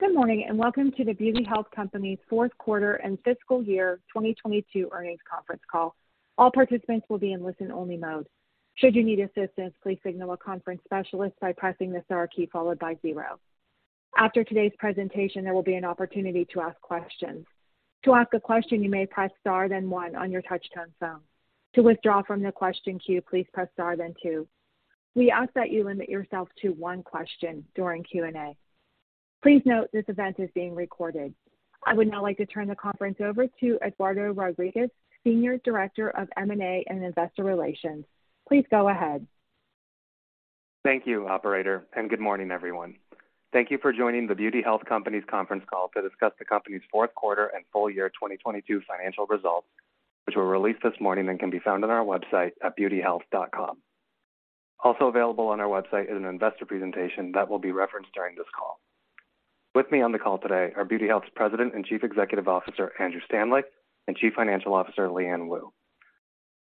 Good morning, welcome to The Beauty Health Company's fourth quarter and fiscal year 2022 earnings conference call. All participants will be in listen-only mode. Should you need assistance, please signal a conference specialist by pressing the star key followed by zero. After today's presentation, there will be an opportunity to ask questions. To ask a question, you may press star then one on your touch-tone phone. To withdraw from the question queue, please press star then two. We ask that you limit yourself to on question during Q&A. Please note this event is being recorded. I would now like to turn the conference over to Eduardo Rodriguez, Senior Director of M&A and Investor Relations. Please go ahead. Thank you, operator, and good morning, everyone. Thank you for joining The Beauty Health Company's conference call to discuss the company's fourth quarter and full year 2022 financial results, which were released this morning and can be found on our website at beautyhealth.com. Also available on our website is an investor presentation that will be referenced during this call. With me on the call today are Beauty Health's President and Chief Executive Officer, Andrew Stanleick, and Chief Financial Officer, Liyuan Woo.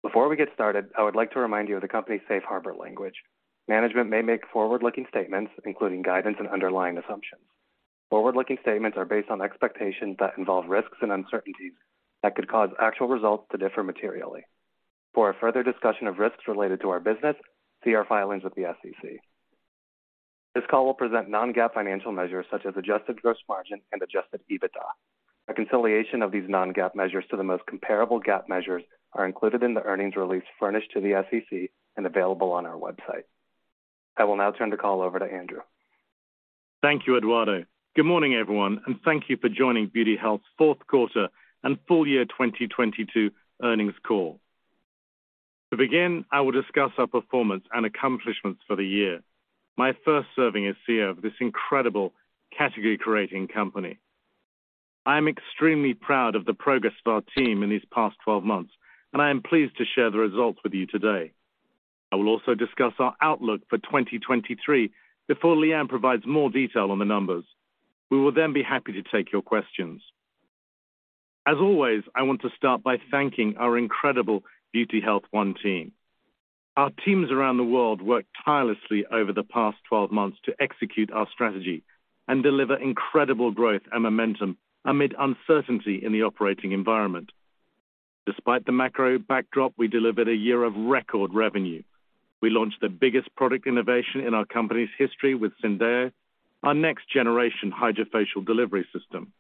Before we get started, I would like to remind you of the company's safe harbor language. Management may make forward-looking statements, including guidance and underlying assumptions. Forward-looking statements are based on expectations that involve risks and uncertainties that could cause actual results to differ materially. For a further discussion of risks related to our business, see our filings with the SEC. This call will present Non-GAAP financial measures such as adjusted gross margin and adjusted EBITDA. A reconciliation of these Non-GAAP measures to the most comparable GAAP measures are included in the earnings release furnished to the SEC and available on our website. I will now turn the call over to Andrew. Thank you, Eduardo. Good morning, everyone, thank you for joining Beauty Health's fourth quarter and full year 2022 earnings call. To begin, I will discuss our performance and accomplishments for the year, my first serving as CEO of this incredible category-creating company. I am extremely proud of the progress of our team in these past 12 months. I am pleased to share the results with you today. I will also discuss our outlook for 2023 before Liyuan provides more detail on the numbers. We will be happy to take your questions. As always, I want to start by thanking our incredible Beauty Health One team. Our teams around the world worked tirelessly over the past 12 months to execute our strategy and deliver incredible growth and momentum amid uncertainty in the operating environment. Despite the macro backdrop, we delivered a year of record revenue. We launched the biggest product innovation in our company's history with Syndeo, our next-generation HydraFacial delivery system.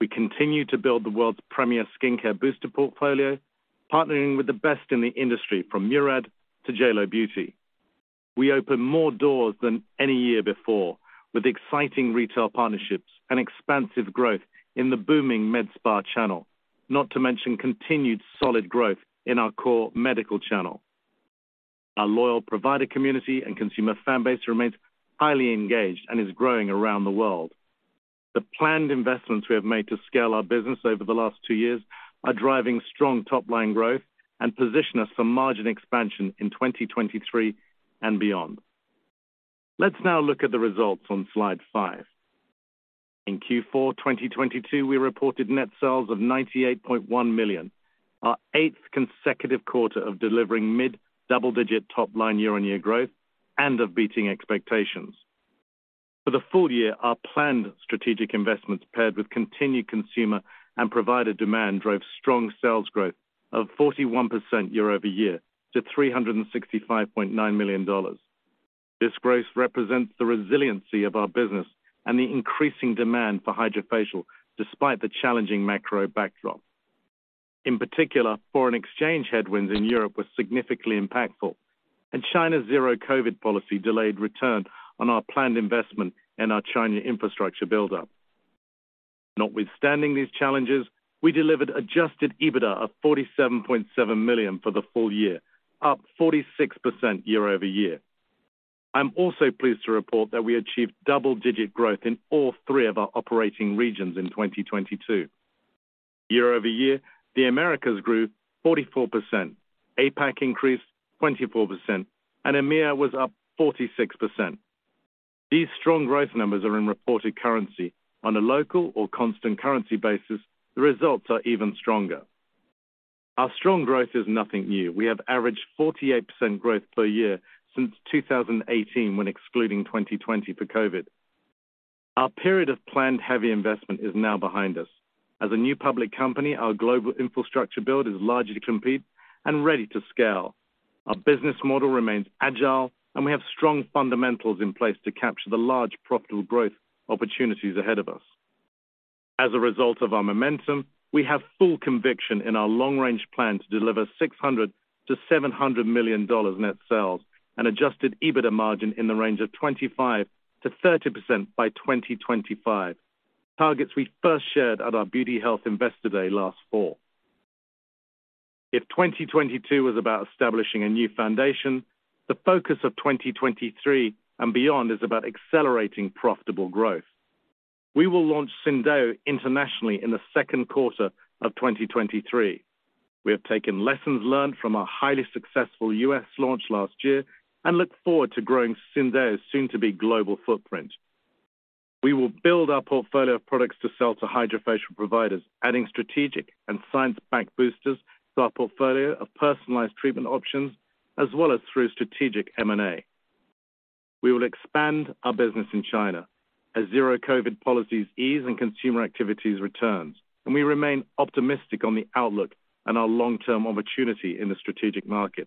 We continue to build the world's premier skincare booster portfolio, partnering with the best in the industry, from Murad to JLO Beauty. We opened more doors than any year before with exciting retail partnerships and expansive growth in the booming med spa channel, not to mention continued solid growth in our core medical channel. Our loyal provider community and consumer fan base remains highly engaged and is growing around the world. The planned investments we have made to scale our business over the last two years are driving strong top-line growth and position us for margin expansion in 2023 and beyond. Let's now look at the results on slide five. In Q4 2022, we reported net sales of $98.1 million, our eighth consecutive quarter of delivering mid-double-digit top-line year-on-year growth and of beating expectations. For the full year, our planned strategic investments paired with continued consumer and provider demand drove strong sales growth of 41% year-over-year to $365.9 million. This growth represents the resiliency of our business and the increasing demand for HydraFacial despite the challenging macro backdrop. In particular, foreign exchange headwinds in Europe were significantly impactful, and China's zero COVID policy delayed return on our planned investment in our China infrastructure buildup. Notwithstanding these challenges, we delivered adjusted EBITDA of $47.7 million for the full year, up 46% year-over-year. I'm also pleased to report that we achieved double-digit growth in all three of our operating regions in 2022. Year-over-year, the Americas grew 44%, APAC increased 24%, EMEA was up 46%. These strong growth numbers are in reported currency. On a local or constant currency basis, the results are even stronger. Our strong growth is nothing new. We have averaged 48% growth per year since 2018, when excluding 2020 for COVID. Our period of planned heavy investment is now behind us. As a new public company, our global infrastructure build is largely complete and ready to scale. Our business model remains agile, we have strong fundamentals in place to capture the large profitable growth opportunities ahead of us. As a result of our momentum, we have full conviction in our long-range plan to deliver $600 million-$700 million net sales and adjusted EBITDA margin in the range of 25%-30% by 2025, targets we first shared at our Beauty Health Investor Day last fall. If 2022 was about establishing a new foundation, the focus of 2023 and beyond is about accelerating profitable growth. We will launch Syndeo internationally in the second quarter of 2023. We have taken lessons learned from our highly successful U.S. launch last year and look forward to growing Syndeo's soon-to-be global footprint. We will build our portfolio of products to sell to HydraFacial providers, adding strategic and science-backed boosters to our portfolio of personalized treatment options as well as through strategic M&A. We will expand our business in China as zero COVID policies ease and consumer activities returns. We remain optimistic on the outlook and our long-term opportunity in the strategic market.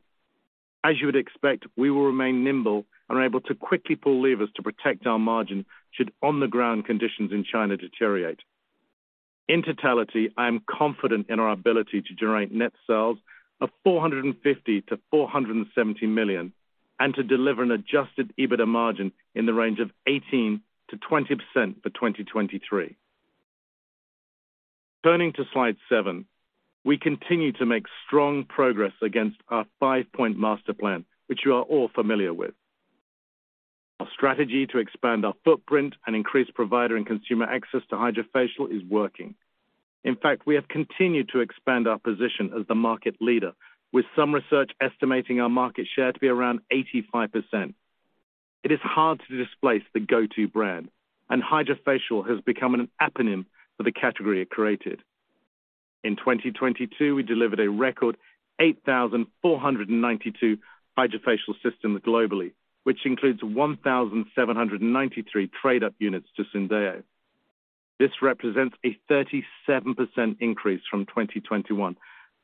As you would expect, we will remain nimble and are able to quickly pull levers to protect our margin should on-the-ground conditions in China deteriorate. In totality, I am confident in our ability to generate net sales of $450 million-$470 million, and to deliver an adjusted EBITDA margin in the range of 18%-20% for 2023. Turning to slide seven. We continue to make strong progress against our five-point master plan, which you are all familiar with. Our strategy to expand our footprint and increase provider and consumer access to HydraFacial is working. In fact, we have continued to expand our position as the market leader, with some research estimating our market share to be around 85%. It is hard to displace the go-to brand, and HydraFacial has become an eponym for the category it created. In 2022, we delivered a record 8,492 HydraFacial systems globally, which includes 1,793 trade-up units to Syndeo. This represents a 37% increase from 2021,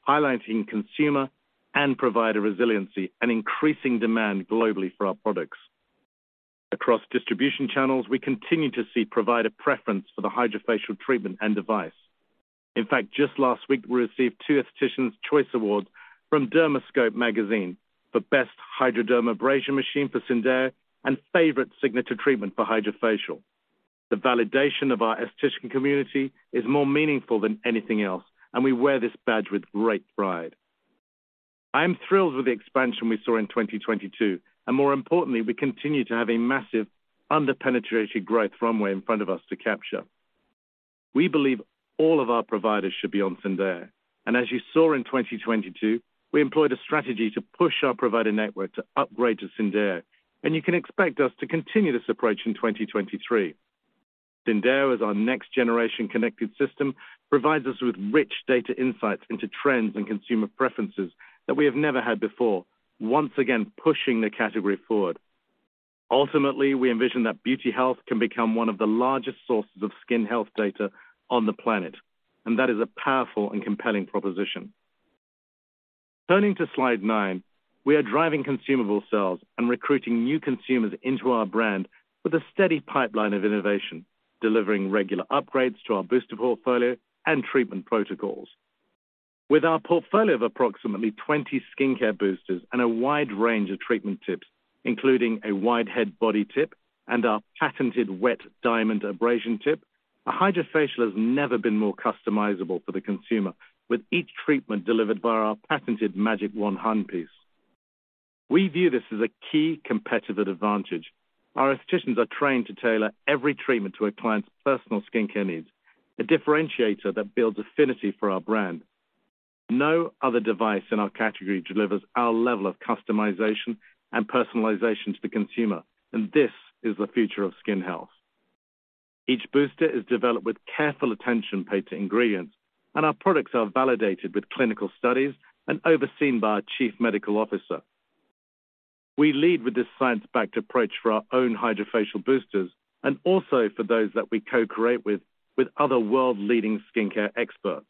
highlighting consumer and provider resiliency and increasing demand globally for our products. Across distribution channels, we continue to see provider preference for the HydraFacial treatment and device. In fact, just last week, we received two Aestheticians' Choice Awards from Dermascope Magazine for Best Hydradermabrasion Machine for Syndeo and Favorite Signature Treatment for HydraFacial. The validation of our esthetician community is more meaningful than anything else, and we wear this badge with great pride. I am thrilled with the expansion we saw in 2022, and more importantly, we continue to have a massive under-penetrated growth runway in front of us to capture. We believe all of our providers should be on Syndeo, and as you saw in 2022, we employed a strategy to push our provider network to upgrade to Syndeo, and you can expect us to continue this approach in 2023. Syndeo as our next generation connected system provides us with rich data insights into trends and consumer preferences that we have never had before, once again, pushing the category forward. Ultimately, we envision that Beauty Health can become one of the largest sources of skin health data on the planet, and that is a powerful and compelling proposition. Turning to slide nine. We are driving consumable sales and recruiting new consumers into our brand with a steady pipeline of innovation, delivering regular upgrades to our booster portfolio and treatment protocols. With our portfolio of approximately 20 skincare boosters and a wide range of treatment tips, including a wide head body tip and our patented wet diamond abrasion tip, a HydraFacial has never been more customizable for the consumer, with each treatment delivered via our patented magic wand handpiece. We view this as a key competitive advantage. Our estheticians are trained to tailor every treatment to a client's personal skincare needs, a differentiator that builds affinity for our brand. No other device in our category delivers our level of customization and personalization to the consumer, and this is the future of skin health. Each booster is developed with careful attention paid to ingredients, and our products are validated with clinical studies and overseen by our chief medical officer. We lead with this science-backed approach for our own HydraFacial boosters and also for those that we co-create with other world-leading skincare experts.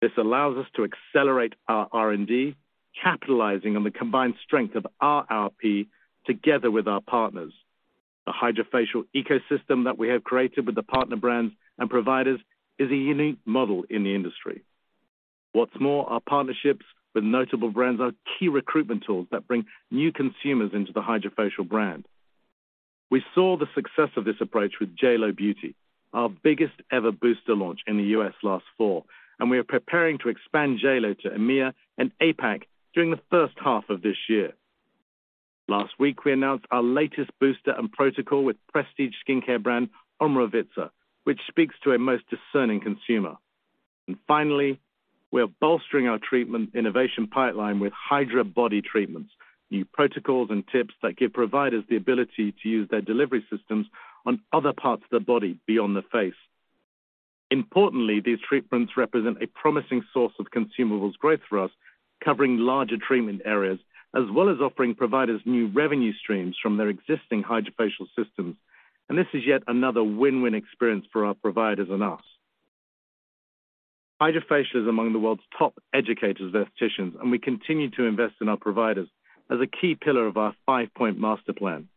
This allows us to accelerate our R&D, capitalizing on the combined strength of our RP together with our partners. The HydraFacial ecosystem that we have created with the partner brands and providers is a unique model in the industry. Our partnerships with notable brands are key recruitment tools that bring new consumers into the HydraFacial brand. We saw the success of this approach with JLO Beauty, our biggest ever booster launch in the US last fall, and we are preparing to expand JLO to EMEA and APAC during the first half of this year. Last week, we announced our latest booster and protocol with prestige skincare brand Omorovicza, which speaks to a most discerning consumer. Finally, we are bolstering our treatment innovation pipeline with HydraBody treatments, new protocols and tips that give providers the ability to use their delivery systems on other parts of the body beyond the face. Importantly, these treatments represent a promising source of consumables growth for us, covering larger treatment areas, as well as offering providers new revenue streams from their existing HydraFacial systems. This is yet another win-win experience for our providers and us. HydraFacial is among the world's top educators of estheticians, and we continue to invest in our providers as a key pillar of our five-point master plan.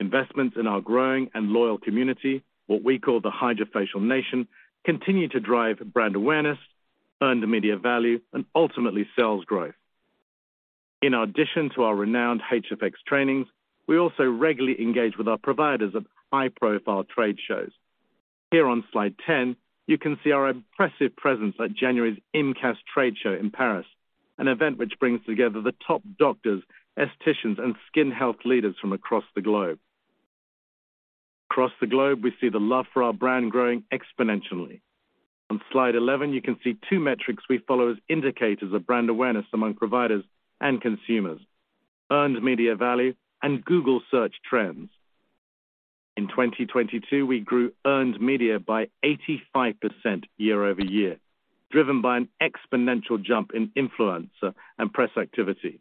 Investments in our growing and loyal community, what we call the HydraFacial Nation, continue to drive brand awareness, earned media value, and ultimately sales growth. In addition to our renowned HFX trainings, we also regularly engage with our providers of high-profile trade shows. Here on slide 10, you can see our impressive presence at January's IMCAS trade show in Paris, an event which brings together the top doctors, estheticians, and skin health leaders from across the globe. Across the globe, we see the love for our brand growing exponentially. On slide 11, you can see two metrics we follow as indicators of brand awareness among providers and consumers: earned media value and Google Search trends. In 2022, we grew earned media by 85% year-over-year, driven by an exponential jump in influencer and press activity.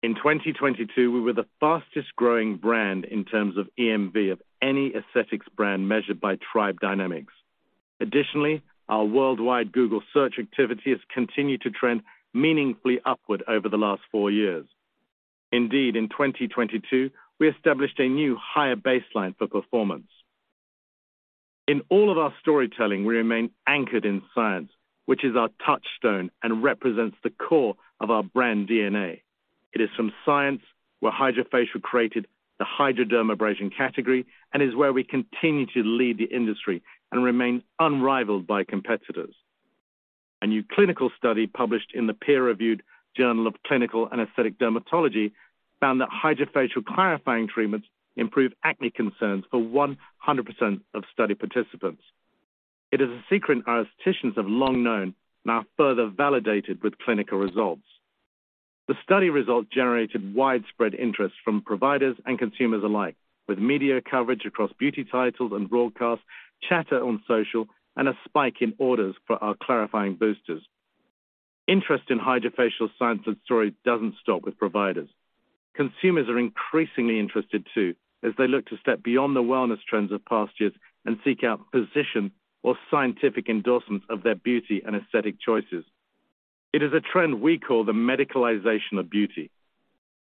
In 2022, we were the fastest growing brand in terms of EMV of any aesthetics brand measured by Tribe Dynamics. Additionally, our worldwide Google Search activity has continued to trend meaningfully upward over the last four years. In 2022, we established a new higher baseline for performance. In all of our storytelling, we remain anchored in science, which is our touchstone and represents the core of our brand DNA. It is from science where HydraFacial created the Hydradermabrasion category, is where we continue to lead the industry and remain unrivaled by competitors. A new clinical study published in the peer-reviewed Journal of Clinical and Aesthetic Dermatology found that HydraFacial clarifying treatments improved acne concerns for 100% of study participants. It is a secret our aestheticians have long known, now further validated with clinical results. The study results generated widespread interest from providers and consumers alike, with media coverage across beauty titles and broadcasts, chatter on social, and a spike in orders for our clarifying boosters. Interest in HydraFacial science and story doesn't stop with providers. Consumers are increasingly interested, too, as they look to step beyond the wellness trends of past years and seek out position or scientific endorsements of their beauty and aesthetic choices. It is a trend we call the medicalization of beauty,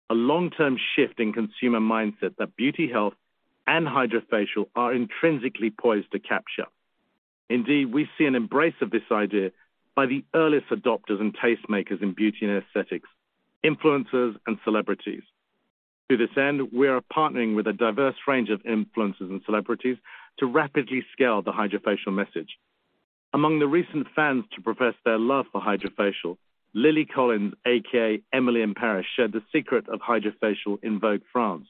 a long-term shift in consumer mindset that Beauty Health and HydraFacial are intrinsically poised to capture. We see an embrace of this idea by the earliest adopters and tastemakers in beauty and aesthetics, influencers and celebrities. To this end, we are partnering with a diverse range of influencers and celebrities to rapidly scale the HydraFacial message. Among the recent fans to profess their love for HydraFacial, Lily Collins, AKA Emily in Paris, shared the secret of HydraFacial in Vogue France.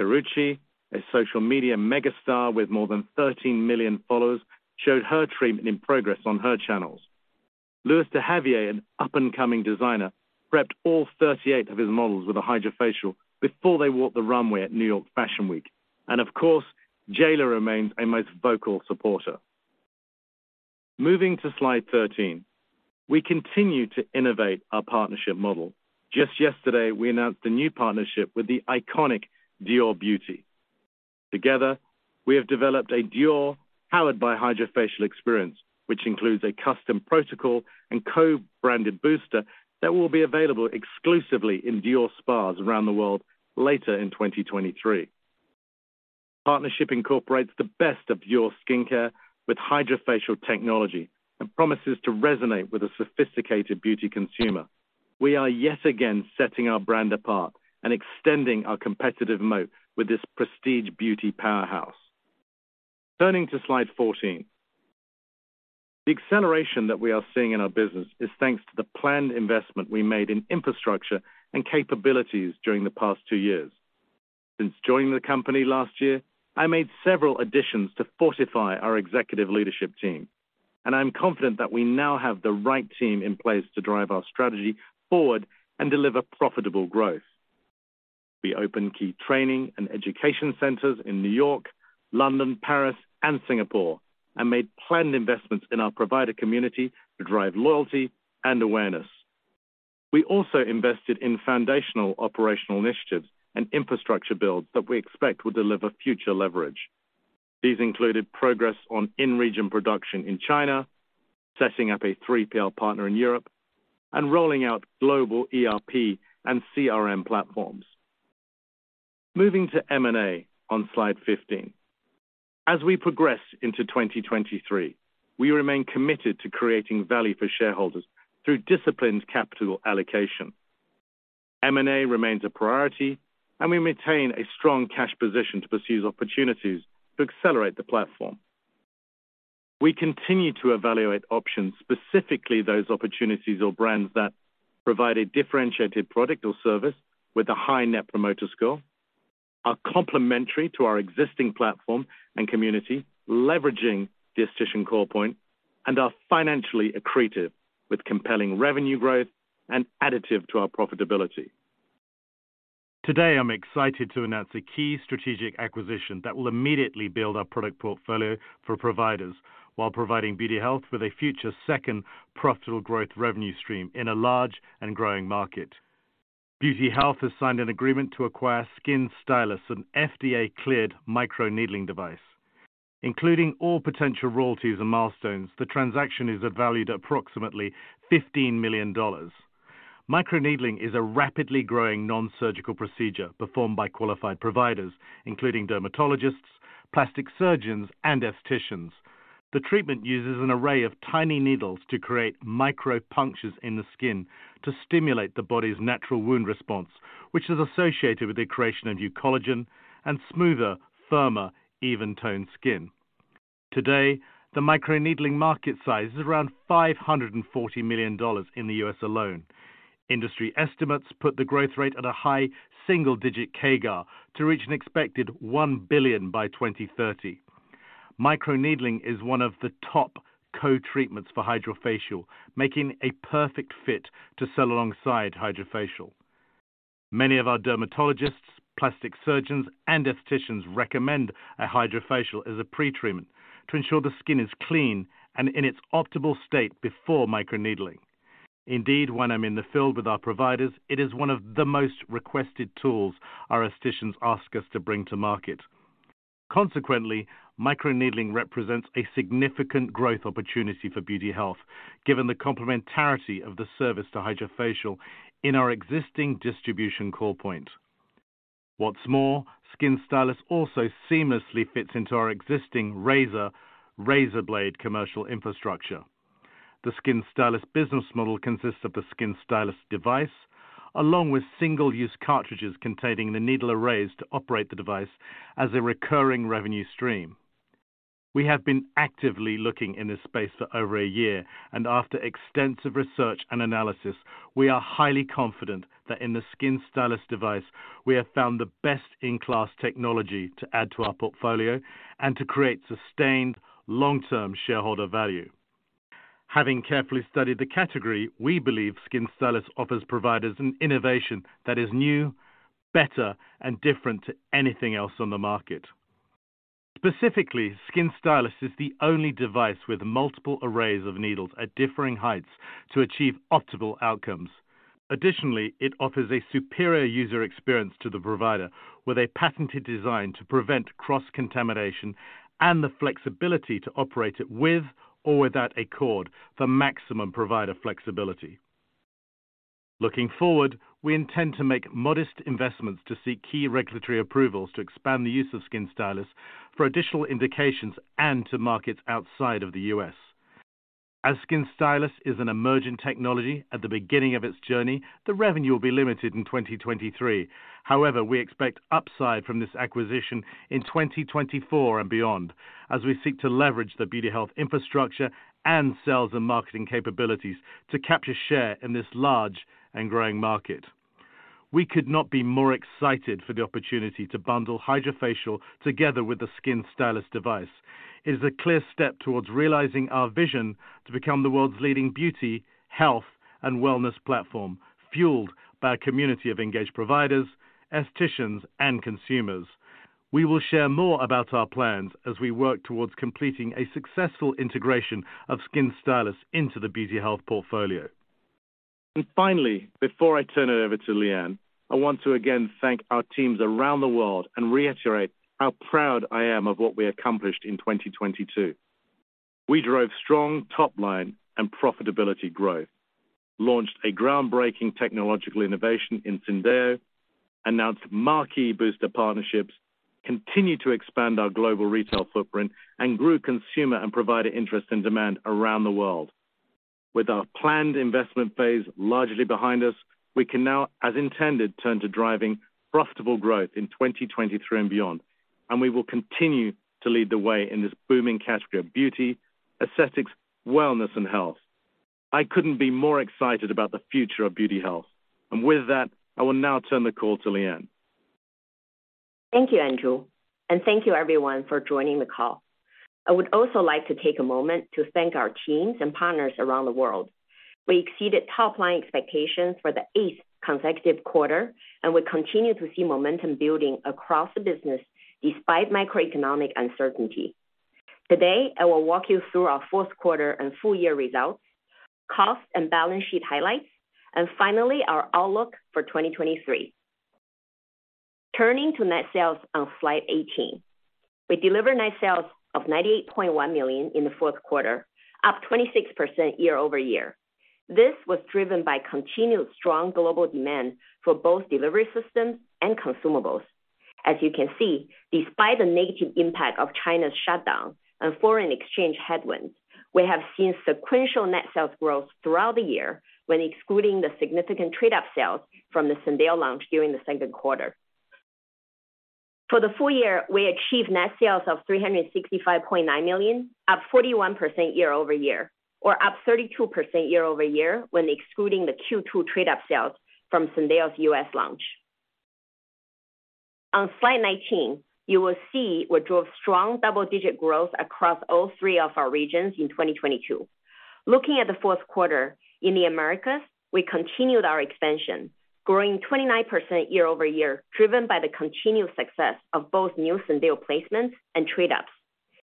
Karrueche, a social media mega star with more than 13 million followers, showed her treatment in progress on her channels. Luis de Javier, an up-and-coming designer, prepped all 38 of his models with a HydraFacial before they walked the runway at New York Fashion Week. Of course, JLO remains a most vocal supporter. Moving to slide 13. We continue to innovate our partnership model. Just yesterday, we announced a new partnership with the iconic Dior Beauty. Together, we have developed a Dior powered by HydraFacial experience, which includes a custom protocol and co-branded booster that will be available exclusively in Dior spas around the world later in 2023. Partnership incorporates the best of Dior skincare with HydraFacial technology and promises to resonate with a sophisticated beauty consumer. We are yet again setting our brand apart and extending our competitive moat with this prestige beauty powerhouse. Turning to slide 14. The acceleration that we are seeing in our business is thanks to the planned investment we made in infrastructure and capabilities during the past two years. Since joining the company last year, I made several additions to fortify our executive leadership team, and I'm confident that we now have the right team in place to drive our strategy forward and deliver profitable growth. We opened key training and education centers in New York, London, Paris, and Singapore, and made planned investments in our provider community to drive loyalty and awareness. We also invested in foundational operational initiatives and infrastructure builds that we expect will deliver future leverage. These included progress on in-region production in China, setting up a 3PL partner in Europe, and rolling out global ERP and CRM platforms. Moving to M&A on slide 15. As we progress into 2023, we remain committed to creating value for shareholders through disciplined capital allocation. M&A remains a priority, and we maintain a strong cash position to pursue opportunities to accelerate the platform. We continue to evaluate options, specifically those opportunities or brands that provide a differentiated product or service with a high Net Promoter Score, are complementary to our existing platform and community, leveraging the esthetic core point, and are financially accretive with compelling revenue growth and additive to our profitability. Today, I'm excited to announce a key strategic acquisition that will immediately build our product portfolio for providers while providing Beauty Health with a future second profitable growth revenue stream in a large and growing market. Beauty Health has signed an agreement to acquire SkinStylus, an FDA-cleared microneedling device. Including all potential royalties and milestones, the transaction is valued at approximately $15 million. Microneedling is a rapidly growing non-surgical procedure performed by qualified providers, including dermatologists, plastic surgeons, and aestheticians. The treatment uses an array of tiny needles to create micro punctures in the skin to stimulate the body's natural wound response, which is associated with the creation of new collagen and smoother, firmer, even toned skin. Today, the microneedling market size is around $540 million in the U.S. alone. Industry estimates put the growth rate at a high single digit CAGR to reach an expected $1 billion by 2030. Microneedling is one of the top co-treatments for HydraFacial, making a perfect fit to sell alongside HydraFacial. Many of our dermatologists, plastic surgeons, and aestheticians recommend a HydraFacial as a pre-treatment to ensure the skin is clean and in its optimal state before microneedling. Indeed, when I'm in the field with our providers, it is one of the most requested tools our aestheticians ask us to bring to market. Microneedling represents a significant growth opportunity for Beauty Health, given the complementarity of the service to HydraFacial in our existing distribution core point. Skin Stylus also seamlessly fits into our existing razor-razor blade commercial infrastructure. The Skin Stylus business model consists of the Skin Stylus device, along with single-use cartridges containing the needle arrays to operate the device as a recurring revenue stream. We have been actively looking in this space for over a year, and after extensive research and analysis, we are highly confident that in the Skin Stylus device, we have found the best-in-class technology to add to our portfolio and to create sustained long-term shareholder value. Having carefully studied the category, we believe SkinStylus offers providers an innovation that is new, better, and different to anything else on the market. Specifically, SkinStylus is the only device with multiple arrays of needles at differing heights to achieve optimal outcomes. Additionally, it offers a superior user experience to the provider with a patented design to prevent cross-contamination and the flexibility to operate it with or without a cord for maximum provider flexibility. Looking forward, we intend to make modest investments to seek key regulatory approvals to expand the use of SkinStylus for additional indications and to markets outside of the U.S. As SkinStylus is an emerging technology at the beginning of its journey, the revenue will be limited in 2023. We expect upside from this acquisition in 2024 and beyond, as we seek to leverage the Beauty Health infrastructure and sales and marketing capabilities to capture share in this large and growing market. We could not be more excited for the opportunity to bundle HydraFacial together with the SkinStylus device. It is a clear step towards realizing our vision to become the world's leading beauty, health, and wellness platform, fueled by a community of engaged providers, aestheticians, and consumers. We will share more about our plans as we work towards completing a successful integration of SkinStylus into the Beauty Health portfolio. Finally, before I turn it over to Liyuan, I want to again thank our teams around the world and reiterate how proud I am of what we accomplished in 2022. We drove strong top line and profitability growth, launched a groundbreaking technological innovation in Syndeo, announced marquee booster partnerships, continued to expand our global retail footprint, and grew consumer and provider interest and demand around the world. With our planned investment phase largely behind us, we can now, as intended, turn to driving profitable growth in 2023 and beyond, and we will continue to lead the way in this booming category of beauty, aesthetics, wellness, and health. I couldn't be more excited about the future of Beauty Health. With that, I will now turn the call to Liyuan. Thank you, Andrew, and thank you everyone for joining the call. I would also like to take a moment to thank our teams and partners around the world. We exceeded top line expectations for the 8th consecutive quarter, and we continue to see momentum building across the business despite macroeconomic uncertainty. Today, I will walk you through our fourth quarter and full year results, cost and balance sheet highlights, and finally, our outlook for 2023. Turning to net sales on slide 18. We delivered net sales of $98.1 million in the fourth quarter, up 26% year-over-year. This was driven by continued strong global demand for both delivery systems and consumables. As you can see, despite the negative impact of China's shutdown and foreign exchange headwinds, we have seen sequential net sales growth throughout the year when excluding the significant trade-up sales from the Syndeo launch during the second quarter. For the full year, we achieved net sales of $365.9 million, up 41% year-over-year, or up 32% year-over-year when excluding the Q2 trade-up sales from Syndeo's U.S. launch. On slide 19, you will see we drove strong double-digit growth across all three of our regions in 2022. Looking at the fourth quarter, in the Americas, we continued our expansion, growing 29% year-over-year, driven by the continued success of both new Syndeo placements and trade-ups.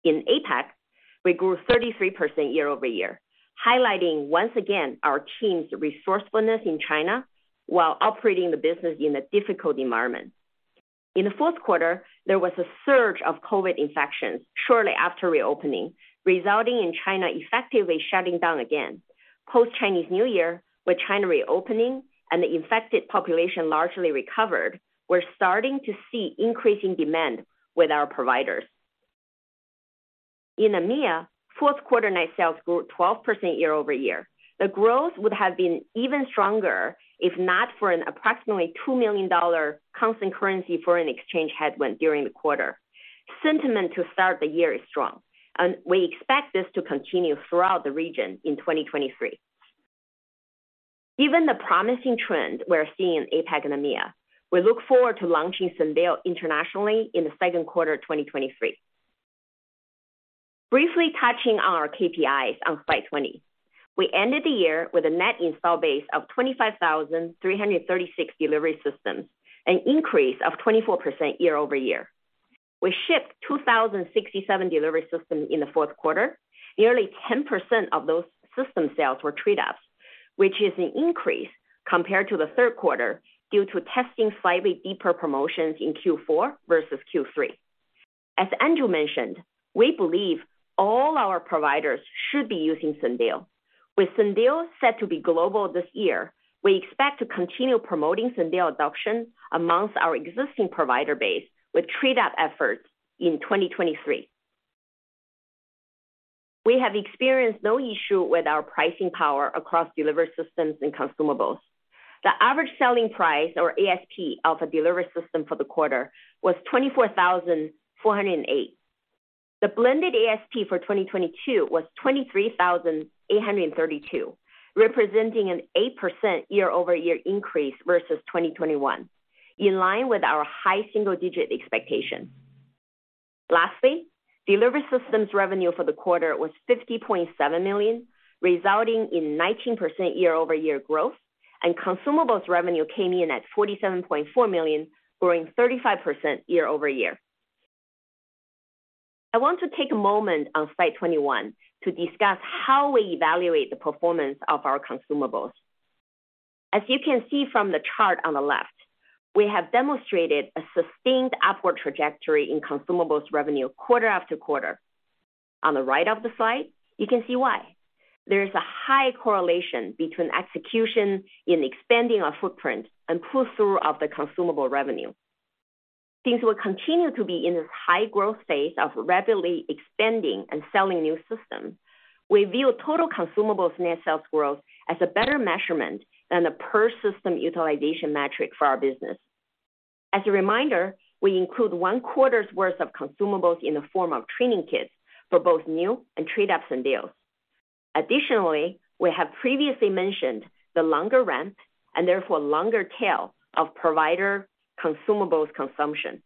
In APAC, we grew 33% year-over-year, highlighting once again our team's resourcefulness in China while operating the business in a difficult environment. In the fourth quarter, there was a surge of Covid infections shortly after reopening, resulting in China effectively shutting down again. Post-Chinese New Year, with China reopening and the infected population largely recovered, we're starting to see increasing demand with our providers. In EMEA, fourth quarter net sales grew 12% year-over-year. The growth would have been even stronger if not for an approximately $2 million constant currency foreign exchange headwind during the quarter. Sentiment to start the year is strong, and we expect this to continue throughout the region in 2023. Given the promising trend we're seeing in APAC and EMEA, we look forward to launching Syndeo internationally in the second quarter of 2023. Briefly touching on our KPIs on slide 20. We ended the year with a net install base of 25,336 delivery systems, an increase of 24% year-over-year. We shipped 2,067 delivery systems in the fourth quarter. Nearly 10% of those system sales were trade ups, which is an increase compared to the third quarter due to testing slightly deeper promotions in Q4 versus Q3. As Andrew mentioned, we believe all our providers should be using Syndeo. With Syndeo set to be global this year, we expect to continue promoting Syndeo adoption amongst our existing provider base with trade up efforts in 2023. We have experienced no issue with our pricing power across delivery systems and consumables. The average selling price, or ASP, of a delivery system for the quarter was $24,408. The blended ASP for 2022 was $23,832, representing an 8% year-over-year increase versus 2021, in line with our high single-digit expectation. Delivery systems revenue for the quarter was $50.7 million, resulting in 19% year-over-year growth, and consumables revenue came in at $47.4 million, growing 35% year-over-year. I want to take a moment on slide 21 to discuss how we evaluate the performance of our consumables. As you can see from the chart on the left, we have demonstrated a sustained upward trajectory in consumables revenue quarter after quarter. On the right of the slide, you can see why. There is a high correlation between execution in expanding our footprint and pull-through of the consumable revenue. Since we'll continue to be in this high growth phase of rapidly expanding and selling new systems, we view total consumables net sales growth as a better measurement than a per system utilization metric for our business. As a reminder, we include one quarter's worth of consumables in the form of training kits for both new and trade ups and deals. Additionally, we have previously mentioned the longer ramp, and therefore longer tail of provider consumables consumption.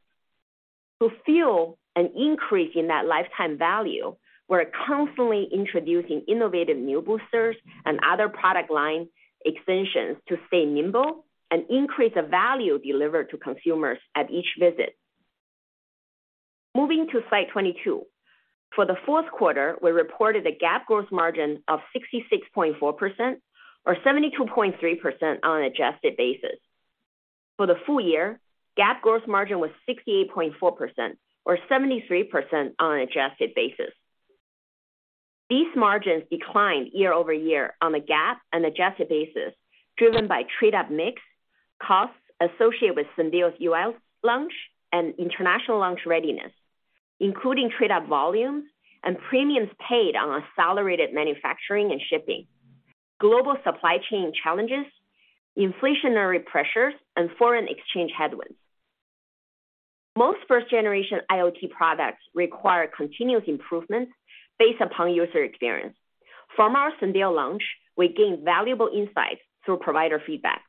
To fuel an increase in that lifetime value, we're constantly introducing innovative new boosters and other product line extensions to stay nimble and increase the value delivered to consumers at each visit. Moving to slide 22. For the 4th quarter, we reported a GAAP gross margin of 66.4% or 72.3% on an adjusted basis. For the full year, GAAP gross margin was 68.4% or 73% on an adjusted basis. These margins declined year-over-year on the GAAP and adjusted basis, driven by trade up mix, costs associated with Syndeo's U.S. launch and international launch readiness, including trade up volumes and premiums paid on accelerated manufacturing and shipping, global supply chain challenges, inflationary pressures, and foreign exchange headwinds. Most first-generation IoT products require continuous improvements based upon user experience. From our Syndeo launch, we gained valuable insights through provider feedback.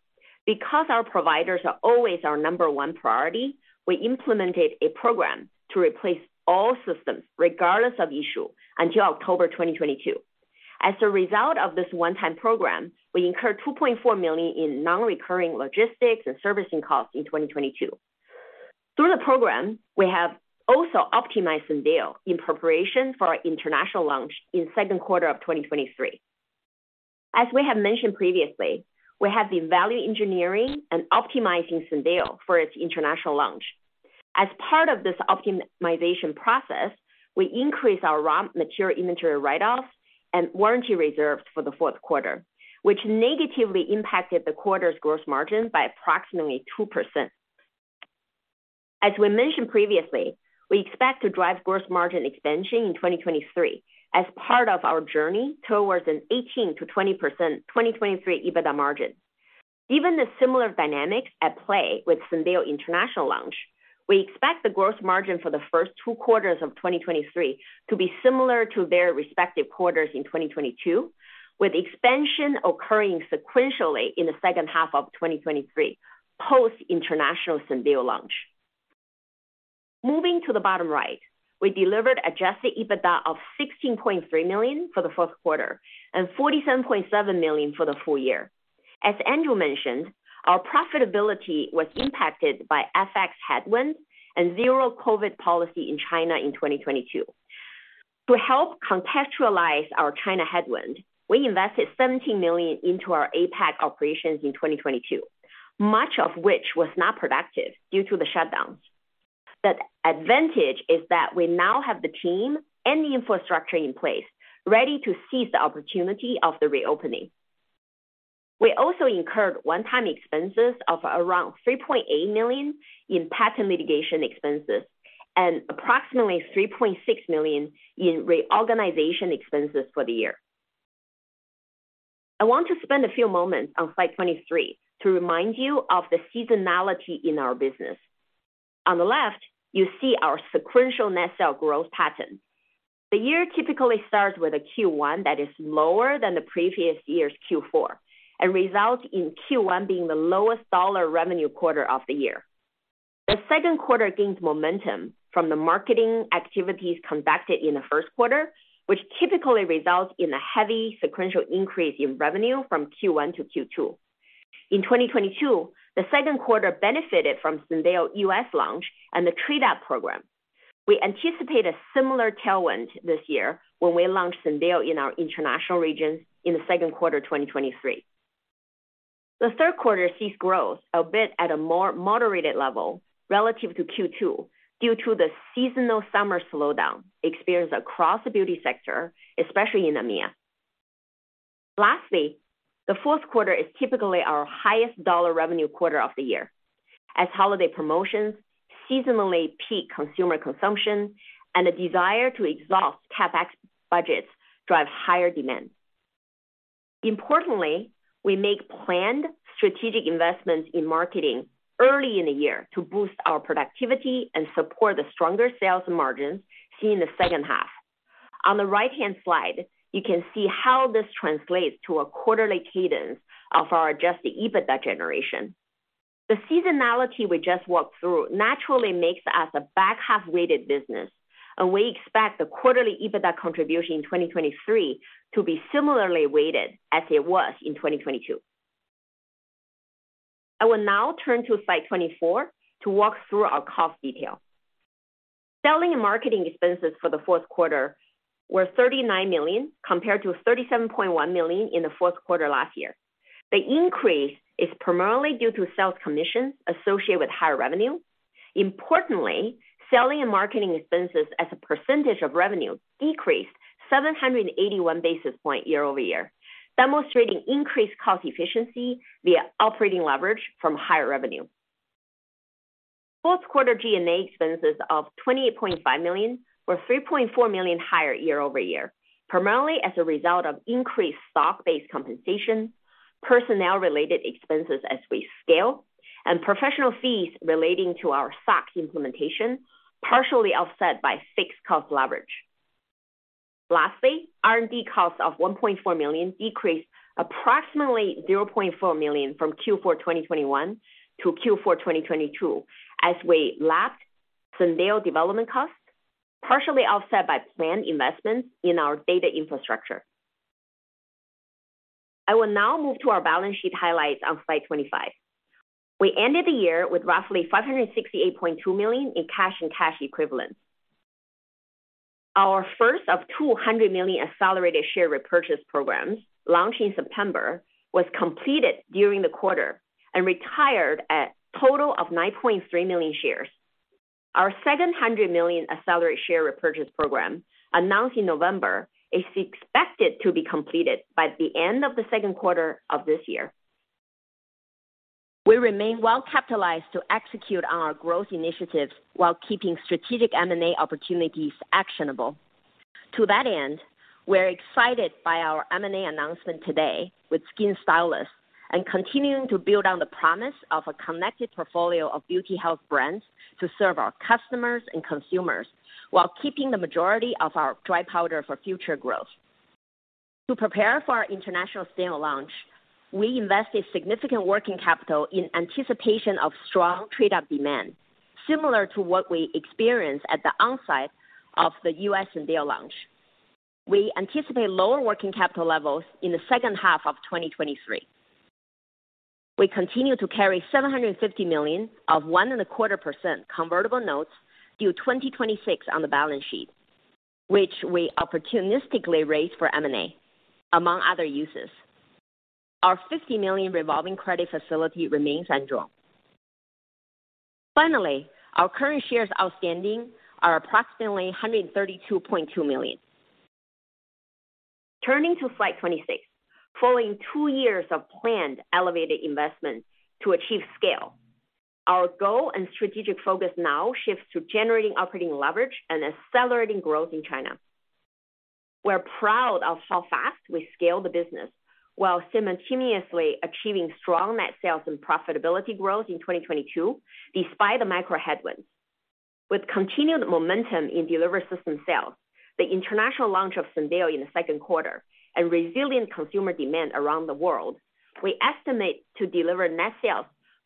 Because our providers are always our number one priority, we implemented a program to replace all systems regardless of issue until October 2022. As a result of this one-time program, we incurred $2.4 million in non-recurring logistics and servicing costs in 2022. Through the program, we have also optimized Syndeo in preparation for our international launch in second quarter of 2023. As we have mentioned previously, we have been value engineering and optimizing Syndeo for its international launch. As part of this optimization process, we increased our raw material inventory write-offs and warranty reserves for the fourth quarter, which negatively impacted the quarter's gross margin by approximately 2%. As we mentioned previously, we expect to drive gross margin expansion in 2023 as part of our journey towards an 18%-20% 2023 EBITDA margin. Given the similar dynamics at play with Syndeo international launch, we expect the gross margin for the first two quarters of 2023 to be similar to their respective quarters in 2022, with expansion occurring sequentially in the second half of 2023 post international Syndeo launch. Moving to the bottom right. We delivered adjusted EBITDA of $16.3 million for the fourth quarter and $47.7 million for the full year. As Andrew mentioned, our profitability was impacted by FX headwinds and zero COVID policy in China in 2022. To help contextualize our China headwind, we invested $17 million into our APAC operations in 2022, much of which was not productive due to the shutdowns. The advantage is that we now have the team and the infrastructure in place ready to seize the opportunity of the reopening. We also incurred one-time expenses of around $3.8 million in patent litigation expenses and approximately $3.6 million in reorganization expenses for the year. I want to spend a few moments on slide 23 to remind you of the seasonality in our business. On the left, you see our sequential net sale growth pattern. The year typically starts with a Q1 that is lower than the previous year's Q4 and results in Q1 being the lowest dollar revenue quarter of the year. The second quarter gains momentum from the marketing activities conducted in the first quarter, which typically results in a heavy sequential increase in revenue from Q1 to Q2. In 2022, the second quarter benefited from Syndeo U.S. launch and the trade-up program. We anticipate a similar tailwind this year when we launch Syndeo in our international regions in the second quarter 2023. The third quarter sees growth a bit at a more moderated level relative to Q2 due to the seasonal summer slowdown experienced across the beauty sector, especially in EMEA. Lastly, the fourth quarter is typically our highest dollar revenue quarter of the year as holiday promotions, seasonally peak consumer consumption, and a desire to exhaust CapEx budgets drive higher demand. Importantly, we make planned strategic investments in marketing early in the year to boost our productivity and support the stronger sales margins seen in the second half. On the right-hand slide, you can see how this translates to a quarterly cadence of our adjusted EBITDA generation. The seasonality we just walked through naturally makes us a back-half-weighted business, and we expect the quarterly EBITDA contribution in 2023 to be similarly weighted as it was in 2022. I will now turn to slide 24 to walk through our cost detail. Selling and marketing expenses for the fourth quarter were $39 million, compared to $37.1 million in the fourth quarter last year. The increase is primarily due to sales commissions associated with higher revenue. Importantly, selling and marketing expenses as a percentage of revenue decreased 781 basis point year-over-year, demonstrating increased cost efficiency via operating leverage from higher revenue. Fourth quarter G&A expenses of $28.5 million were $3.4 million higher year-over-year, primarily as a result of increased stock-based compensation, personnel-related expenses as we scale, and professional fees relating to our SOC implementation, partially offset by fixed cost leverage. Lastly, R&D costs of $1.4 million decreased approximately $0.4 million from Q4 2021 to Q4 2022 as we lapped Syndeo development costs, partially offset by planned investments in our data infrastructure. I will now move to our balance sheet highlights on slide 25. We ended the year with roughly $568.2 million in cash and cash equivalents. Our first of $200 million accelerated share repurchase programs, launched in September, was completed during the quarter and retired a total of 9.3 million shares. Our second $100 million accelerated share repurchase program, announced in November, is expected to be completed by the end of the second quarter of this year. We remain well-capitalized to execute on our growth initiatives while keeping strategic M&A opportunities actionable. To that end, we're excited by our M&A announcement today with SkinStylus and continuing to build on the promise of a connected portfolio of beauty health brands to serve our customers and consumers while keeping the majority of our dry powder for future growth. To prepare for our international Syndeo launch, we invested significant working capital in anticipation of strong trade-up demand, similar to what we experienced at the onset of the U.S. Syndeo launch. We anticipate lower working capital levels in the second half of 2023. We continue to carry $750 million of 1.25% convertible notes due 2026 on the balance sheet, which we opportunistically raise for M&A, among other uses. Our $50 million revolving credit facility remains undrawn. Our current shares outstanding are approximately 132.2 million. Turning to slide 26. Following two years of planned elevated investment to achieve scale, our goal and strategic focus now shifts to generating operating leverage and accelerating growth in China. We're proud of how fast we scaled the business while simultaneously achieving strong net sales and profitability growth in 2022 despite the micro headwinds. With continued momentum in delivery system sales, the international launch of Syndeo in the second quarter, and resilient consumer demand around the world, we estimate to deliver net sales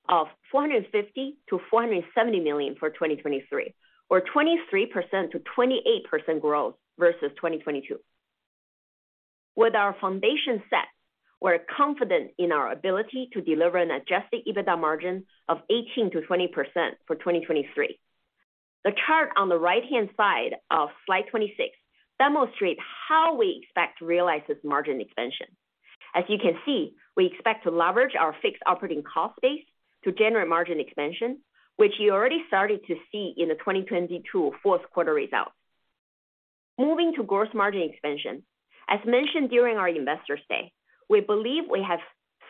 of $450 million-$470 million for 2023 or 23%-28% growth versus 2022. With our foundation set, we're confident in our ability to deliver an adjusted EBITDA margin of 18%-20% for 2023. The chart on the right-hand side of slide 26 demonstrates how we expect to realize this margin expansion. As you can see, we expect to leverage our fixed operating cost base to generate margin expansion, which you already started to see in the 2022 fourth quarter results. Moving to gross margin expansion. As mentioned during our Investor Day, we believe we have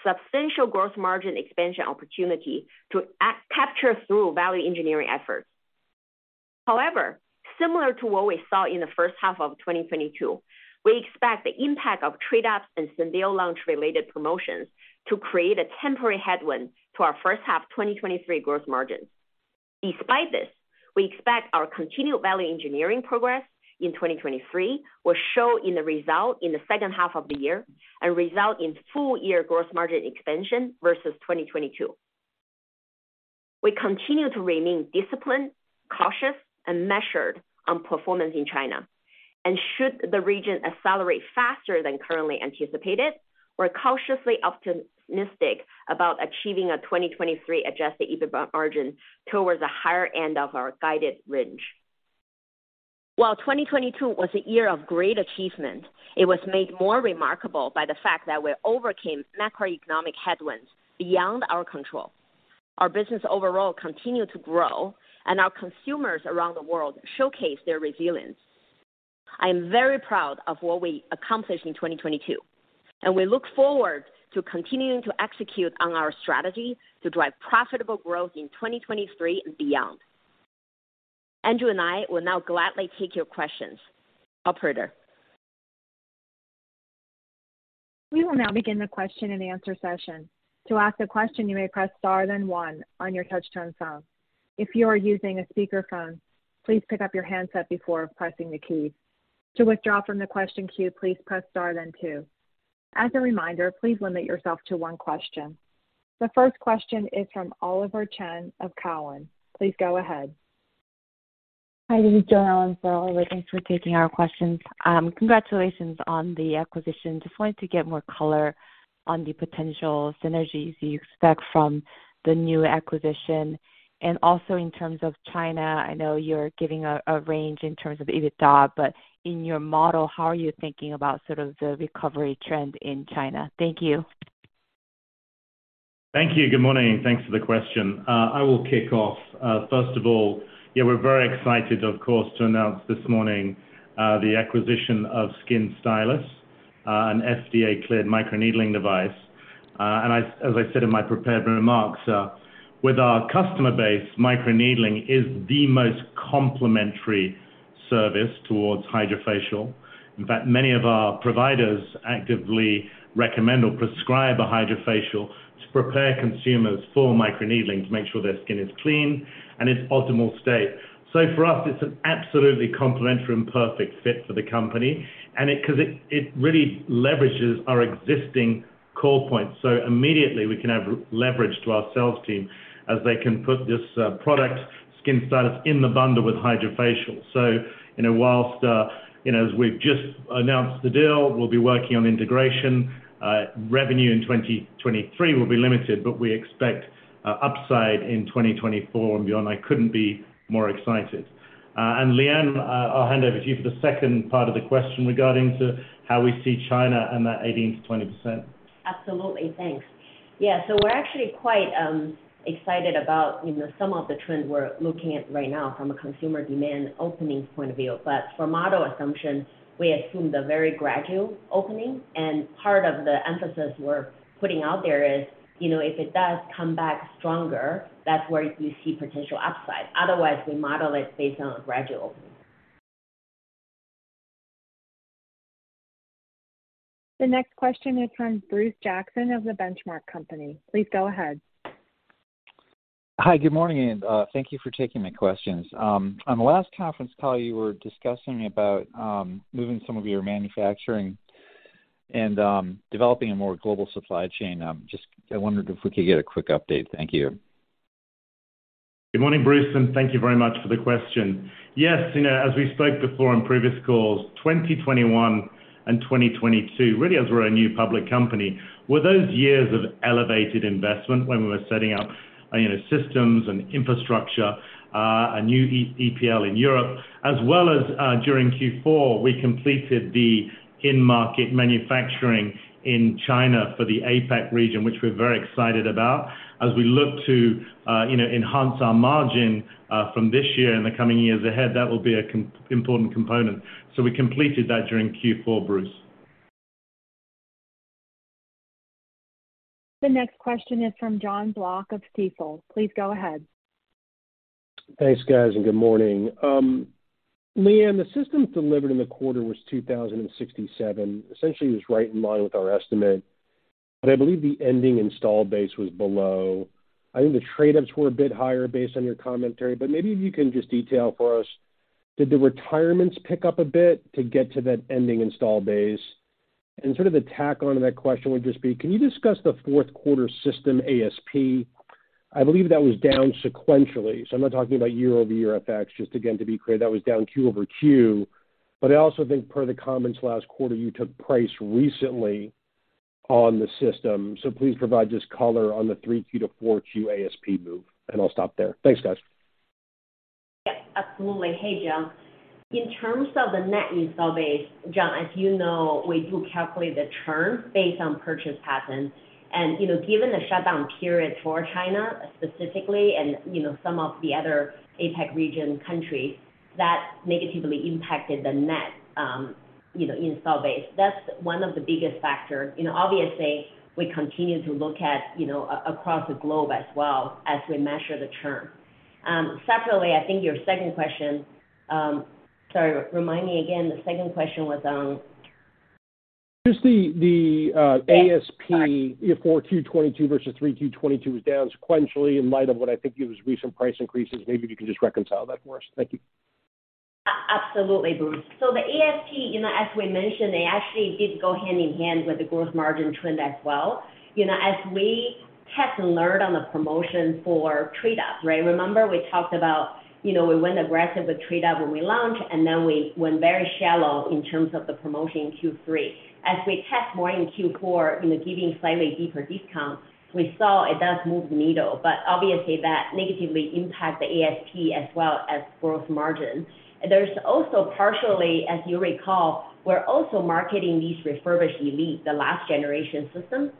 substantial gross margin expansion opportunity to capture through value engineering efforts. However, similar to what we saw in the first half of 2022, we expect the impact of trade ups and Syndeo launch related promotions to create a temporary headwind to our first half 2023 gross margins. Despite this, we expect our continued value engineering progress in 2023 will show in the result in the second half of the year and result in full year gross margin expansion versus 2022. We continue to remain disciplined, cautious and measured on performance in China. Should the region accelerate faster than currently anticipated, we're cautiously optimistic about achieving a 2023 adjusted EBITA margin towards the higher end of our guided range. While 2022 was a year of great achievement, it was made more remarkable by the fact that we overcame macroeconomic headwinds beyond our control. Our business overall continued to grow, and our consumers around the world showcased their resilience. I am very proud of what we accomplished in 2022, and we look forward to continuing to execute on our strategy to drive profitable growth in 2023 and beyond. Andrew and I will now gladly take your questions. Operator. We will now begin the question and answer session. To ask a question, you may press star one on your touch-tone phone. If you are using a speakerphone, please pick up your handset before pressing the key. To withdraw from the question queue, please press star then two. As a reminder, please limit yourself to one question. The first question is from Oliver Chen of Cowen. Please go ahead. Hi, this is Jonn Allen for Oliver. Thanks for taking our questions. Congratulations on the acquisition. Just wanted to get more color on the potential synergies you expect from the new acquisition. Also in terms of China, I know you're giving a range in terms of EBITDA, but in your model, how are you thinking about sort of the recovery trend in China? Thank you. Thank you. Good morning. Thanks for the question. I will kick off. First of all, yeah, we're very excited, of course, to announce this morning the acquisition of SkinStylus, an FDA-cleared microneedling device. And as I said in my prepared remarks, with our customer base, microneedling is the most complementary service towards HydraFacial. In fact, many of our providers actively recommend or prescribe a HydraFacial to prepare consumers for microneedling to make sure their skin is clean and in optimal state. For us, it's an absolutely complementary and perfect fit for the company, and because it really leverages our existing call point. Immediately we can have leverage to our sales team as they can put this product SkinStylus in the bundle with HydraFacial. You know, whilst, you know, as we've just announced the deal, we'll be working on integration. Revenue in 2023 will be limited, but we expect upside in 2024 and beyond. I couldn't be more excited. Liyuan, I'll hand over to you for the second part of the question regarding to how we see China and that 18%-20%. Absolutely. Thanks. Yeah. We're actually quite excited about, you know, some of the trends we're looking at right now from a consumer demand opening point of view. For model assumptions, we assume the very gradual opening, and part of the emphasis we're putting out there is, you know, if it does come back stronger, that's where you see potential upside. Otherwise, we model it based on a gradual. The next question is from Bruce Jackson of The Benchmark Company. Please go ahead. Hi. Good morning, and thank you for taking the questions. On the last conference call, you were discussing about moving some of your manufacturing and developing a more global supply chain. just I wondered if we could get a quick update? Thank you. Good morning, Bruce, and thank you very much for the question. Yes, you know, as we spoke before in previous calls, 2021 and 2022, really as we're a new public company, were those years of elevated investment when we were setting up, you know, systems and infrastructure, a new EPL in Europe, as well as, during Q4, we completed the in-market manufacturing in China for the APAC region, which we're very excited about. As we look to, you know, enhance our margin from this year in the coming years ahead, that will be a important component. We completed that during Q4, Bruce. The next question is from Jonathan Block of Stifel. Please go ahead. Thanks, guys, and good morning. Liyuan, the systems delivered in the quarter was 2,067. Essentially, it was right in line with our estimate. I believe the ending install base was below. I think the trade-ups were a bit higher based on your commentary. Maybe if you can just detail for us, did the retirements pick up a bit to get to that ending install base? Sort of the tack on to that question would just be, can you discuss the fourth quarter system ASP? I believe that was down sequentially. I'm not talking about year-over-year FX. Just again to be clear, that was down Q over Q. I also think per the comments last quarter, you took price recently on the system. Please provide just color on the 3Q to 4Q ASP move, and I'll stop there. Thanks, guys. Yeah, absolutely. Hey, John. In terms of the net install base, John, as you know, we do calculate the churn based on purchase patterns. You know, given the shutdown period for China specifically and, you know, some of the other APAC region countries. That negatively impacted the net, you know, install base. That's one of the biggest factor. You know, obviously, we continue to look at, you know, across the globe as well as we measure the churn. Separately, I think your second question. Sorry, remind me again. The second question was on? Just the. Yes. Sorry. ASP for Q22 versus 3Q22 was down sequentially in light of what I think it was recent price increases. Maybe if you can just reconcile that for us. Thank you. Absolutely, Bruce. The ASP, you know, as we mentioned, they actually did go hand in hand with the gross margin trend as well. You know, as we test and learn on the promotion for trade-up, right? Remember we talked about, you know, we went aggressive with trade-up when we launched, and then we went very shallow in terms of the promotion in Q3. As we test more in Q4, you know, giving slightly deeper discounts, we saw it does move the needle, but obviously that negatively impact the ASP as well as gross margin. There's also partially, as you recall, we're also marketing these refurbished Elite, the last generation system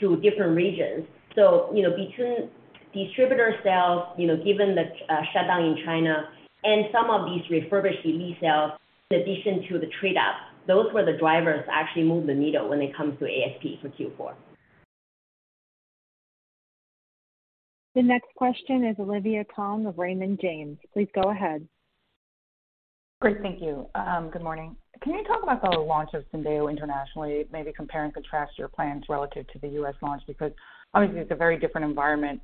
to different regions. You know, between distributor sales, you know, given the shutdown in China and some of these refurbished Elite sales, in addition to the trade-up, those were the drivers that actually moved the needle when it comes to ASP for Q4. The next question is Olivia Tong of Raymond James. Please go ahead. Great. Thank you. Good morning. Can you talk about the launch of Syndeo internationally, maybe compare and contrast your plans relative to the US launch? Obviously it's a very different environment